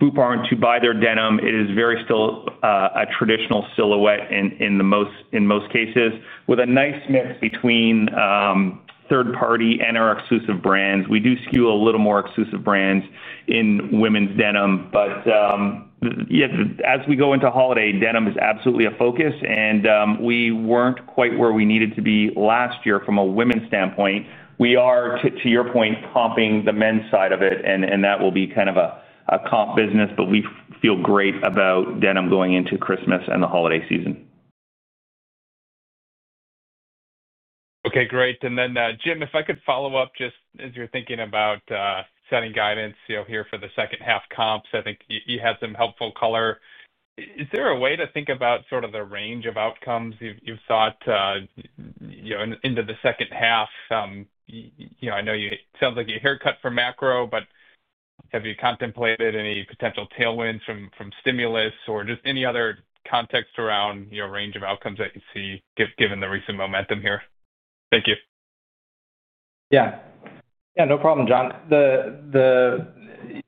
[SPEAKER 3] Boot Barn to buy their denim, it is still a very traditional silhouette in most cases, with a nice mix between third-party and our exclusive brands. We do skew a little more exclusive brands in women's denim. As we go into holiday, denim is absolutely a focus, and we weren't quite where we needed to be last year from a women's standpoint. We are, to your point, comping the men's side of it, and that will be kind of a comp business. We feel great about denim going into Christmas and the holiday season.
[SPEAKER 12] Okay, great. Jim, if I could follow up just as you're thinking about setting guidance here for the second half comps, I think you had some helpful color. Is there a way to think about sort of the range of outcomes you've sought into the second half? I know it sounds like you're a haircut for macro, but have you contemplated any potential tailwinds from stimulus or just any other context around your range of outcomes that you see, given the recent momentum here? Thank you.
[SPEAKER 4] Yeah, no problem, John.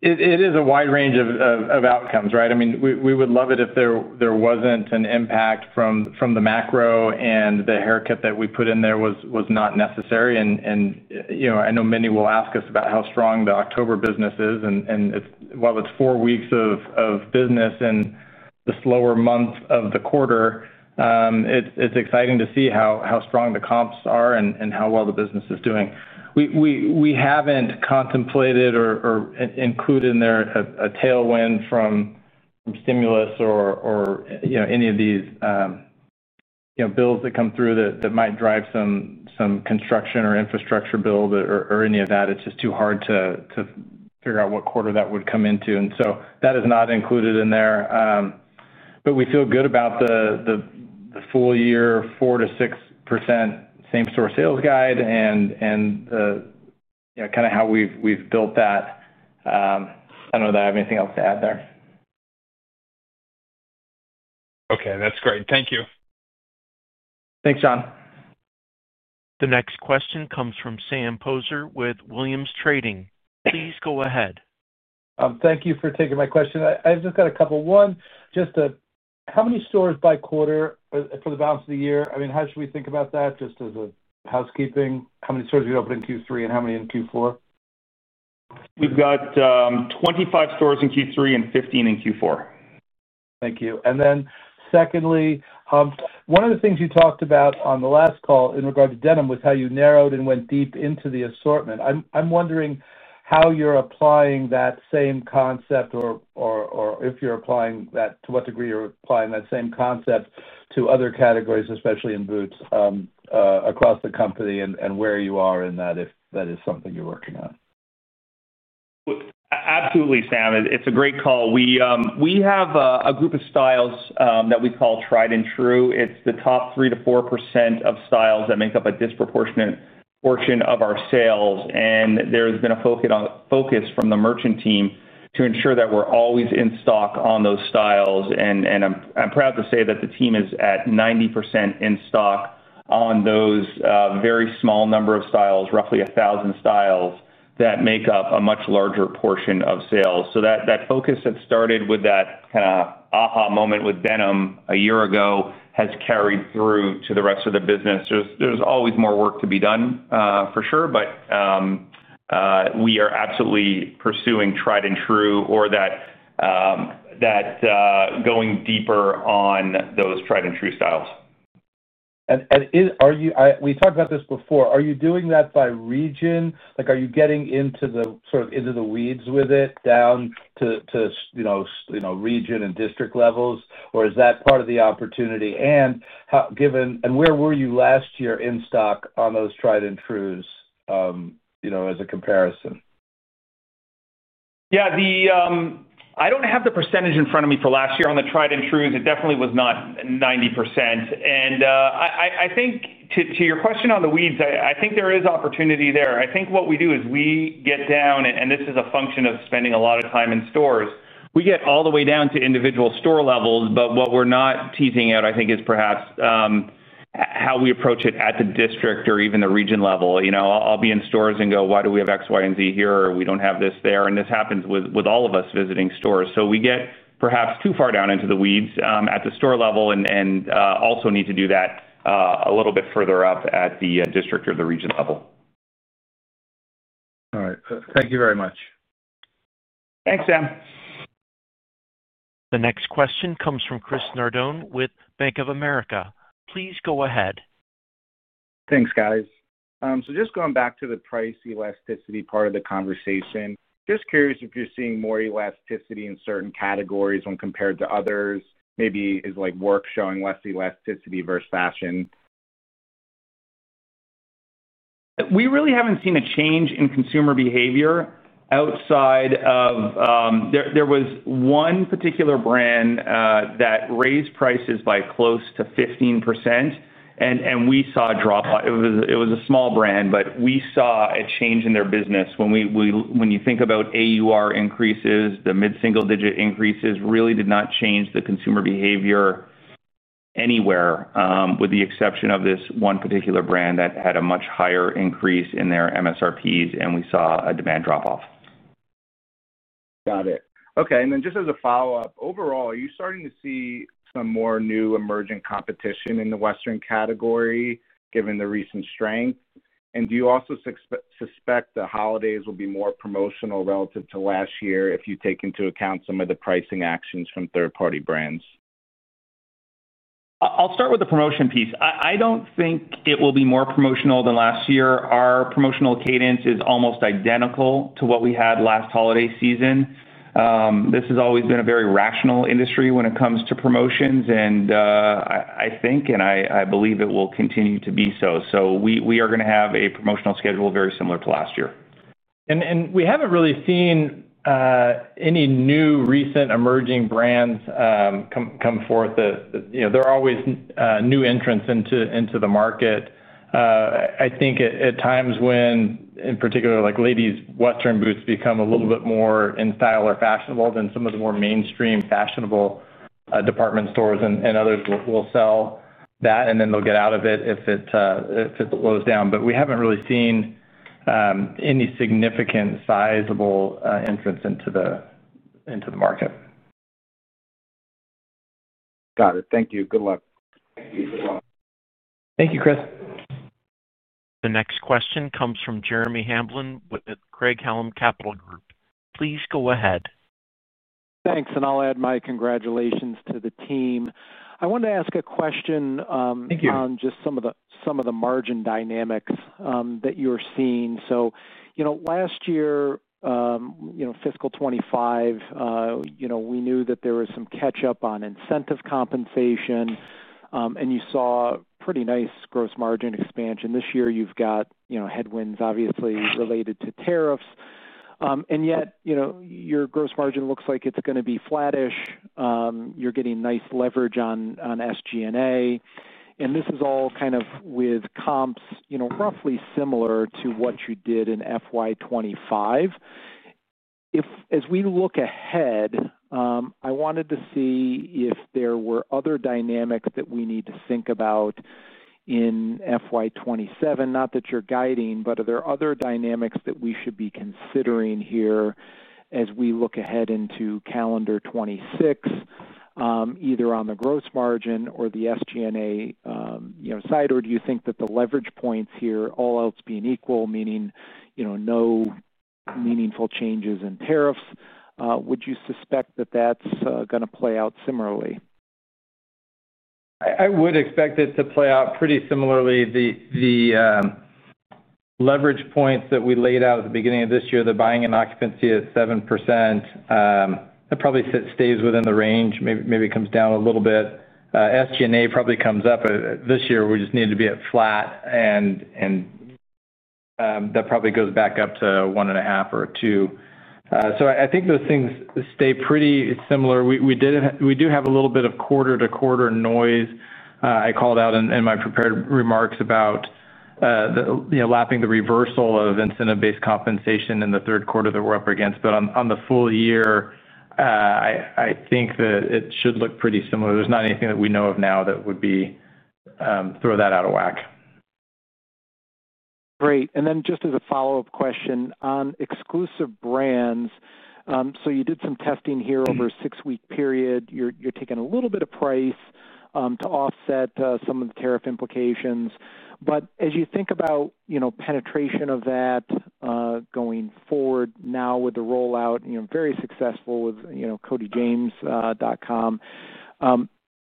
[SPEAKER 4] It is a wide range of outcomes, right? I mean, we would love it if there wasn't an impact from the macro, and the haircut that we put in there was not necessary. I know many will ask us about how strong the October business is, and while it's four weeks of business in the slower month of the quarter, it's exciting to see how strong the comps are and how well the business is doing. We haven't contemplated or included in there a tailwind from stimulus or any of these bills that come through that might drive some construction or infrastructure bill or any of that. It's just too hard to figure out what quarter that would come into. That is not included in there. We feel good about the full-year 4%-6% same-store sales guide and kind of how we've built that. I don't know that I have anything else to add there.
[SPEAKER 12] Okay, that's great. Thank you.
[SPEAKER 4] Thanks, John.
[SPEAKER 1] The next question comes from Sam Poser with Williams Trading. Please go ahead.
[SPEAKER 13] Thank you for taking my question. I've just got a couple. One, just how many stores by quarter for the balance of the year? I mean, how should we think about that just as a housekeeping? How many stores are you going to open in Q3 and how many in Q4?
[SPEAKER 3] We've got 25 stores in Q3 and 15 in Q4.
[SPEAKER 13] Thank you. One of the things you talked about on the last call in regard to denim was how you narrowed and went deep into the assortment. I'm wondering how you're applying that same concept or if you're applying that, to what degree you're applying that same concept to other categories, especially in boots across the company and where you are in that, if that is something you're working on.
[SPEAKER 3] Absolutely, Sam. It's a great call. We have a group of styles that we call tried and true. It's the top 3%-4% of styles that make up a disproportionate portion of our sales. There has been a focus from the merchant team to ensure that we're always in stock on those styles. I'm proud to say that the team is at 90% in stock on those very small number of styles, roughly 1,000 styles that make up a much larger portion of sales. That focus that started with that kind of aha moment with denim a year ago has carried through to the rest of the business. There's always more work to be done, for sure, but we are absolutely pursuing tried and true or going deeper on those tried and true styles.
[SPEAKER 13] We talked about this before. Are you doing that by region? Are you getting into the sort of into the weeds with it down to region and district levels, or is that part of the opportunity? How, given where you were last year in stock on those tried and trues, as a comparison?
[SPEAKER 3] Yeah, I don't have the percentage in front of me for last year on the tried and trues. It definitely was not 90%. I think to your question on the weeds, I think there is opportunity there. What we do is we get down, and this is a function of spending a lot of time in stores. We get all the way down to individual store levels, but what we're not teasing out, I think, is perhaps how we approach it at the district or even the region level. I'll be in stores and go, "Why do we have X, Y, and Z here?" or, "We don't have this there." This happens with all of us visiting stores. We get perhaps too far down into the weeds at the store level and also need to do that a little bit further up at the district or the region level.
[SPEAKER 13] All right, thank you very much.
[SPEAKER 3] Thanks, Sam.
[SPEAKER 1] The next question comes from Chris Nardone with Bank of America. Please go ahead.
[SPEAKER 14] Thanks, guys. Just going back to the price elasticity part of the conversation, I'm just curious if you're seeing more elasticity in certain categories when compared to others. Maybe is like work showing less elasticity versus fashion.
[SPEAKER 3] We really haven't seen a change in consumer behavior outside of there was one particular brand that raised prices by close to 15%, and we saw a drop. It was a small brand, but we saw a change in their business. When you think about AUR increases, the mid-single digit increases really did not change the consumer behavior anywhere, with the exception of this one particular brand that had a much higher increase in their MSRPs, and we saw a demand drop-off.
[SPEAKER 14] Got it. Okay. Just as a follow-up, overall, are you starting to see some more new emerging competition in the Western category given the recent strength? Do you also suspect the holidays will be more promotional relative to last year if you take into account some of the pricing actions from third-party brands?
[SPEAKER 3] I'll start with the promotion piece. I don't think it will be more promotional than last year. Our promotional cadence is almost identical to what we had last holiday season. This has always been a very rational industry when it comes to promotions, and I think it will continue to be so. We are going to have a promotional schedule very similar to last year.
[SPEAKER 4] We haven't really seen any new recent emerging brands come forth. There are always new entrants into the market. I think at times when, in particular, ladies' Western boots become a little bit more in style or fashionable, then some of the more mainstream fashionable department stores and others will sell that, and then they'll get out of it if it slows down. We haven't really seen any significant sizable entrants into the market.
[SPEAKER 14] Got it. Thank you. Good luck.
[SPEAKER 3] Thank you, Chris.
[SPEAKER 1] The next question comes from Jeremy Hamblin with Craig-Hallum Capital Group. Please go ahead.
[SPEAKER 15] Thanks. I'll add my congratulations to the team. I wanted to ask a question on just some of the margin dynamics that you're seeing. Last year, fiscal 2025, we knew that there was some catch-up on incentive compensation, and you saw pretty nice gross margin expansion. This year, you've got headwinds, obviously, related to tariffs, and yet your gross margin looks like it's going to be flattish. You're getting nice leverage on SG&A, and this is all kind of with comps roughly similar to what you did in fiscal 2025. As we look ahead, I wanted to see if there were other dynamics that we need to think about in fiscal 2027, not that you're guiding, but are there other dynamics that we should be considering here as we look ahead into calendar 2026, either on the gross margin or the SG&A side, or do you think that the leverage points here, all else being equal, meaning no meaningful changes in tariffs, would you suspect that that's going to play out similarly?
[SPEAKER 4] I would expect it to play out pretty similarly. The leverage points that we laid out at the beginning of this year, the buying and occupancy at 7%, that probably stays within the range, maybe comes down a little bit. SG&A probably comes up. This year, we just need to be at flat, and that probably goes back up to 1.5 or 2. I think those things stay pretty similar. We do have a little bit of quarter-to-quarter noise. I called out in my prepared remarks about lapping the reversal of incentive-based compensation in the third quarter that we're up against. On the full year, I think that it should look pretty similar. There's not anything that we know of now that would throw that out of whack.
[SPEAKER 15] Great. Just as a follow-up question on exclusive brands, you did some testing here over a six-week period. You're taking a little bit of price to offset some of the tariff implications. As you think about penetration of that going forward now with the rollout, very successful with codyjames.com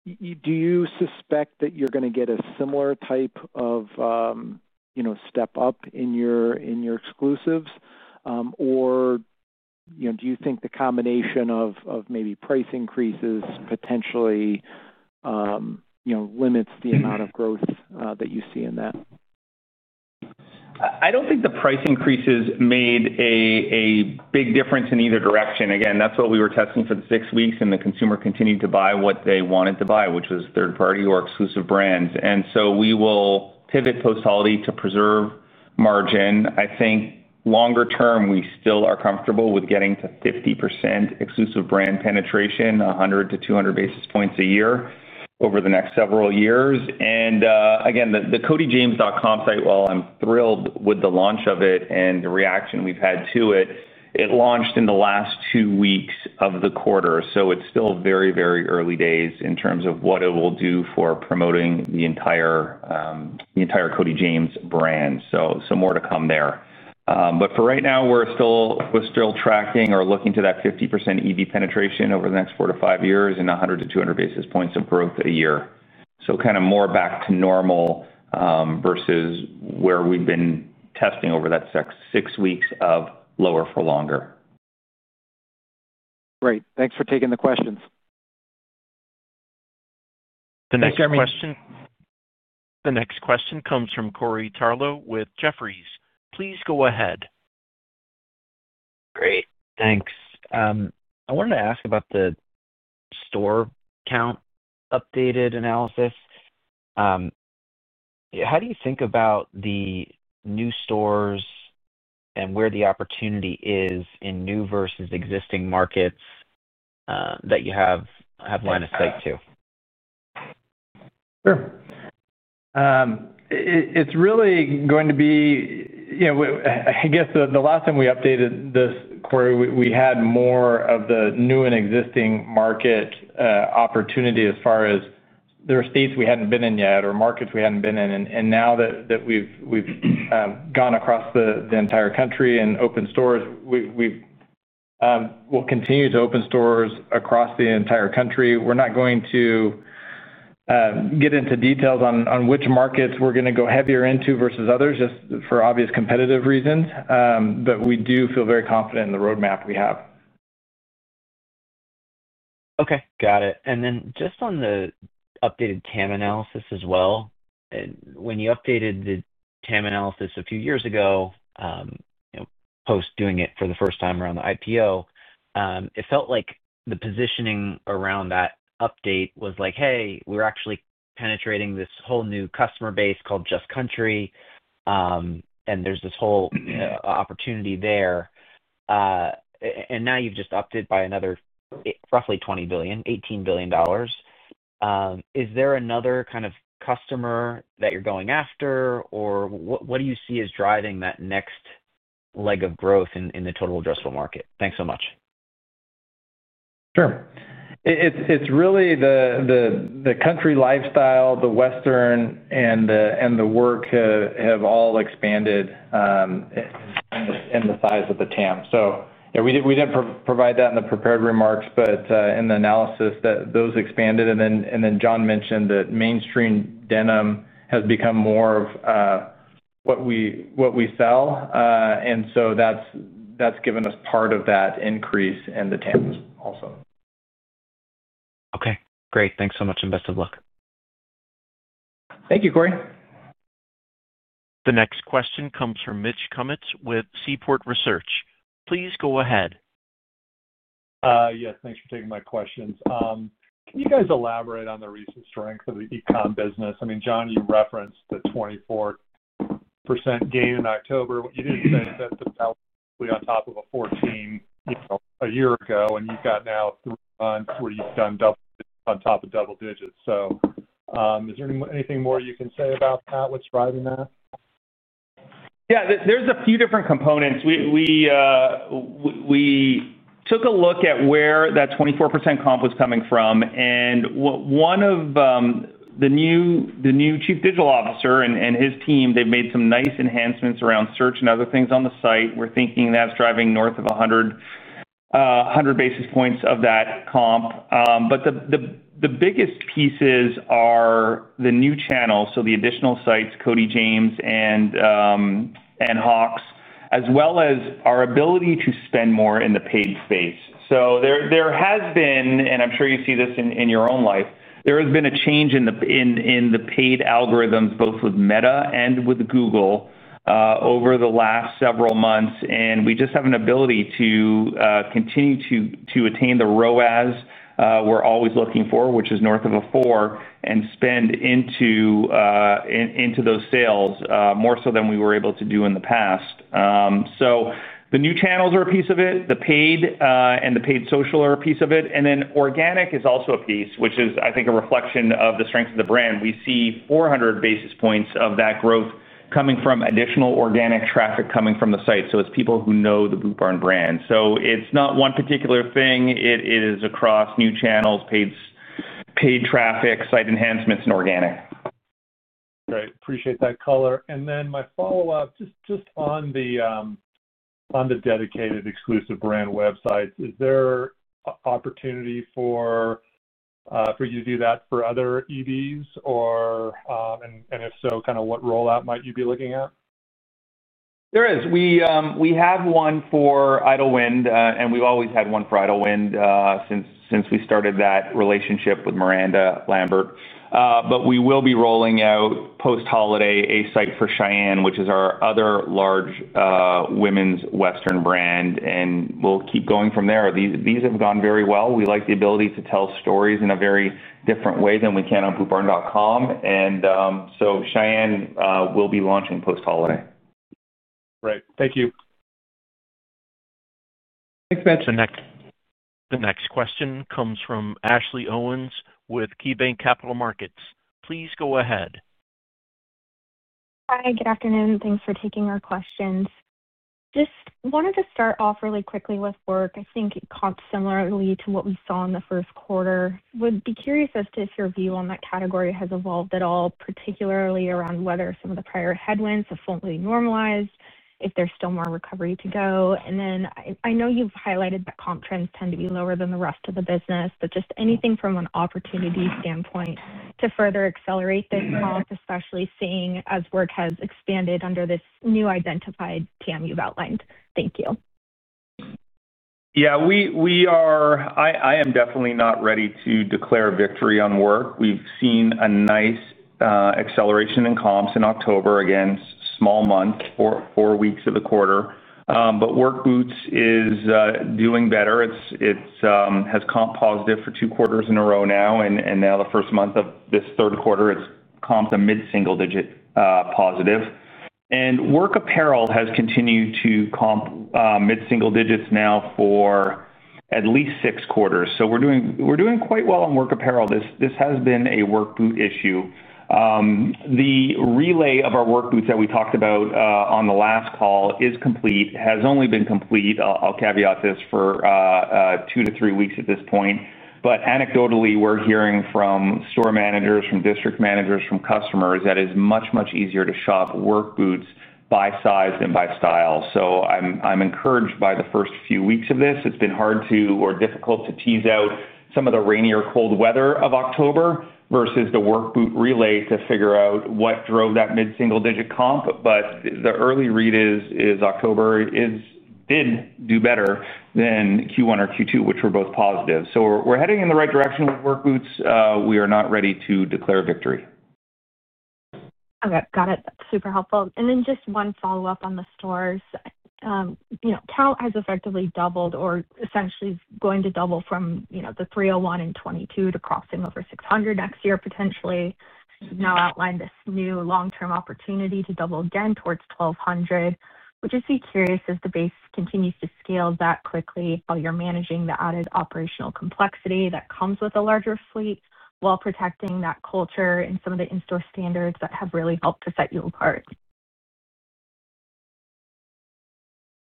[SPEAKER 15] do you suspect that you're going to get a similar type of step up in your exclusives, or do you think the combination of maybe price increases potentially limits the amount of growth that you see in that?
[SPEAKER 3] I don't think the price increases made a big difference in either direction. That's what we were testing for the six weeks, and the consumer continued to buy what they wanted to buy, which was third-party or exclusive brands. We will pivot post-holiday to preserve margin. I think longer term, we still are comfortable with getting to 50% exclusive brand penetration, 100-200 basis points a year over the next several years. The codyjames.com site, while I'm thrilled with the launch of it and the reaction we've had to it, launched in the last two weeks of the quarter. It's still very, very early days in terms of what it will do for promoting the entire Cody James brand. More to come there. For right now, we're still tracking or looking to that 50% exclusive brand penetration over the next four to five years and 100-200 basis points of growth a year. It's kind of more back to normal versus where we've been testing over that six weeks of lower for longer.
[SPEAKER 15] Great. Thanks for taking the questions.
[SPEAKER 1] The next question comes from Corey Tarlowe with Jefferies. Please go ahead.
[SPEAKER 16] Great. Thanks. I wanted to ask about the store count updated analysis. How do you think about the new stores and where the opportunity is in new versus existing markets that you have line of sight to?
[SPEAKER 4] Sure. It's really going to be, you know, I guess the last time we updated this quarter, we had more of the new and existing market opportunity as far as there were states we hadn't been in yet or markets we hadn't been in. Now that we've gone across the entire country and opened stores, we'll continue to open stores across the entire country. We're not going to get into details on which markets we're going to go heavier into versus others, just for obvious competitive reasons. We do feel very confident in the roadmap we have.
[SPEAKER 16] Okay. Got it. On the updated TAM analysis as well, when you updated the TAM analysis a few years ago, post doing it for the first time around the IPO, it felt like the positioning around that update was like, "Hey, we're actually penetrating this whole new customer base called Just Country, and there's this whole opportunity there." Now you've just upped it by another roughly $20 billion, $18 billion. Is there another kind of customer that you're going after, or what do you see as driving that next leg of growth in the total addressable market? Thanks so much.
[SPEAKER 4] Sure. It's really the country lifestyle, the Western, and the work have all expanded in the size of the TAM. We did provide that in the prepared remarks, but in the analysis, those expanded. John mentioned that mainstream denim has become more of what we sell, and that's given us part of that increase in the TAM also.
[SPEAKER 16] Okay. Great. Thanks so much, and best of luck.
[SPEAKER 4] Thank you, Corey.
[SPEAKER 1] The next question comes from Mitch Kummetz with Seaport Research. Please go ahead.
[SPEAKER 17] Yes, thanks for taking my questions. Can you guys elaborate on the recent strength of the e-comm business? I mean, John, you referenced the 24% gain in October. What you didn't say is that that's basically on top of a 14% a year ago, and you've got now three months where you've done double on top of double digits. Is there anything more you can say about that? What's driving that?
[SPEAKER 3] Yeah, there's a few different components. We took a look at where that 24% comp was coming from. One of the new Chief Digital Officer and his team, they've made some nice enhancements around search and other things on the site. We're thinking that's driving north of 100 basis points of that comp. The biggest pieces are the new channels, so the additional sites, Cody James and Hawx, as well as our ability to spend more in the paid space. There has been, and I'm sure you see this in your own life, a change in the paid algorithms, both with Meta and with Google, over the last several months. We just have an ability to continue to attain the ROAS we're always looking for, which is north of a four, and spend into those sales more so than we were able to do in the past. The new channels are a piece of it. The paid and the paid social are a piece of it. Organic is also a piece, which is, I think, a reflection of the strength of the brand. We see 400 basis points of that growth coming from additional organic traffic coming from the site. It's people who know the Boot Barn brand. It's not one particular thing. It is across new channels, paid traffic, site enhancements, and organic.
[SPEAKER 17] Great. Appreciate that color. My follow-up, just on the dedicated exclusive brand websites, is there an opportunity for you to do that for other exclusive brands? If so, kind of what rollout might you be looking at?
[SPEAKER 3] There is. We have one for Idyllwind, and we've always had one for Idyllwind since we started that relationship with Miranda Lambert. We will be rolling out post-holiday a site for Sheyenne, which is our other large women's Western brand. We will keep going from there. These have gone very well. We like the ability to tell stories in a very different way than we can on bootbarn.com. Cheyenne will be launching post-holiday.
[SPEAKER 17] Great. Thank you.
[SPEAKER 3] Thanks, Mitch.
[SPEAKER 1] The next question comes from Ashley Owens with KeyBanc Capital Markets. Please go ahead.
[SPEAKER 18] Hi. Good afternoon. Thanks for taking our questions. Just wanted to start off really quickly with work. I think comps similarly to what we saw in the first quarter. Would be curious as to if your view on that category has evolved at all, particularly around whether some of the prior headwinds have fully normalized, if there's still more recovery to go. I know you've highlighted that comp trends tend to be lower than the rest of the business, but just anything from an opportunity standpoint to further accelerate this comp, especially seeing as work has expanded under this new identified TAM you've outlined. Thank you.
[SPEAKER 3] Yeah, we are. I am definitely not ready to declare a victory on work. We've seen a nice acceleration in comps in October. Again, small month, four weeks of the quarter. Work boots is doing better. It has comped positive for two quarters in a row now. Now the first month of this third quarter, it's comped the mid-single digit positive. Work apparel has continued to comp mid-single digits now for at least six quarters. We're doing quite well on work apparel. This has been a work boot issue. The relay of our work boots that we talked about on the last call is complete, has only been complete. I'll caveat this for two to three weeks at this point. Anecdotally, we're hearing from store managers, from district managers, from customers that it's much, much easier to shop work boots by size and by style. I'm encouraged by the first few weeks of this. It's been hard or difficult to tease out some of the rainier cold weather of October versus the work boot relay to figure out what drove that mid-single digit comp. The early read is October did do better than Q1 or Q2, which were both positive. We're heading in the right direction with work boots. We are not ready to declare a victory.
[SPEAKER 18] Okay. Got it. That's super helpful. Just one follow-up on the stores. Count has effectively doubled or essentially is going to double from the 301 in 2022 to crossing over 600 next year, potentially. You've now outlined this new long-term U.S. store count potential to double again towards 1,200. Would just be curious as the base continues to scale that quickly while you're managing the added operational complexity that comes with a larger fleet while protecting that culture and some of the in-store standards that have really helped to set you apart.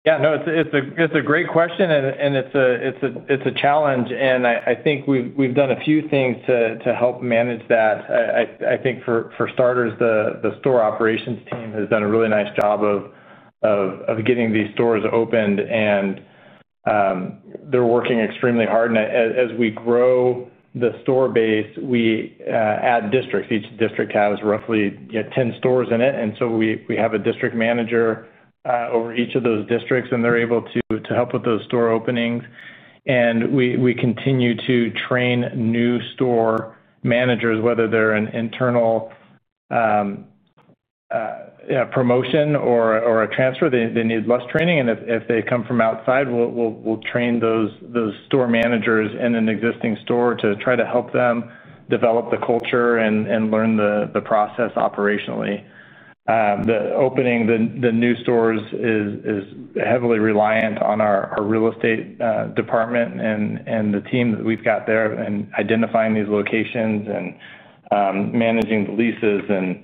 [SPEAKER 4] Yeah, no, it's a great question, and it's a challenge. I think we've done a few things to help manage that. For starters, the Store Operations team has done a really nice job of getting these stores opened, and they're working extremely hard. As we grow the store base, we add districts. Each district has roughly 10 stores in it, so we have a District Manager over each of those districts, and they're able to help with those store openings. We continue to train new Store Managers, whether they're an internal promotion or a transfer. They need less training, and if they come from outside, we'll train those Store Managers in an existing store to try to help them develop the culture and learn the process operationally. Opening the new stores is heavily reliant on our Real Estate department and the team that we've got there in identifying these locations and managing the leases and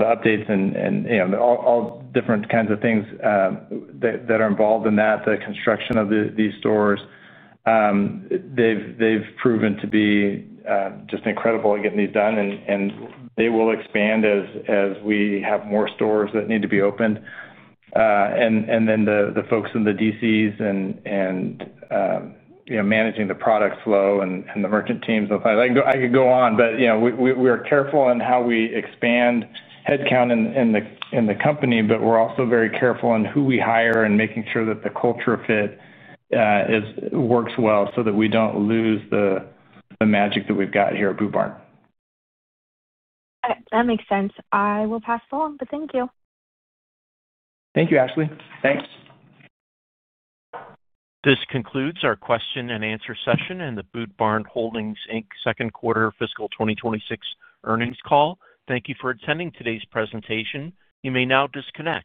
[SPEAKER 4] the updates and all different kinds of things that are involved in that, the construction of these stores. They've proven to be just incredible at getting these done, and they will expand as we have more stores that need to be opened. The folks in the DCs and managing the product flow and the Merchant teams and the Finance, I could go on. We are careful in how we expand headcount in the company, but we're also very careful in who we hire and making sure that the culture fit works well so that we don't lose the magic that we've got here at Boot Barn.
[SPEAKER 18] All right. That makes sense. I will pass it along, but thank you.
[SPEAKER 4] Thank you, Ashley. Thanks.
[SPEAKER 3] This concludes our question and answer session in the Boot Barn Holdings, Inc. second quarter fiscal 2026 earnings call. Thank you for attending today's presentation. You may now disconnect.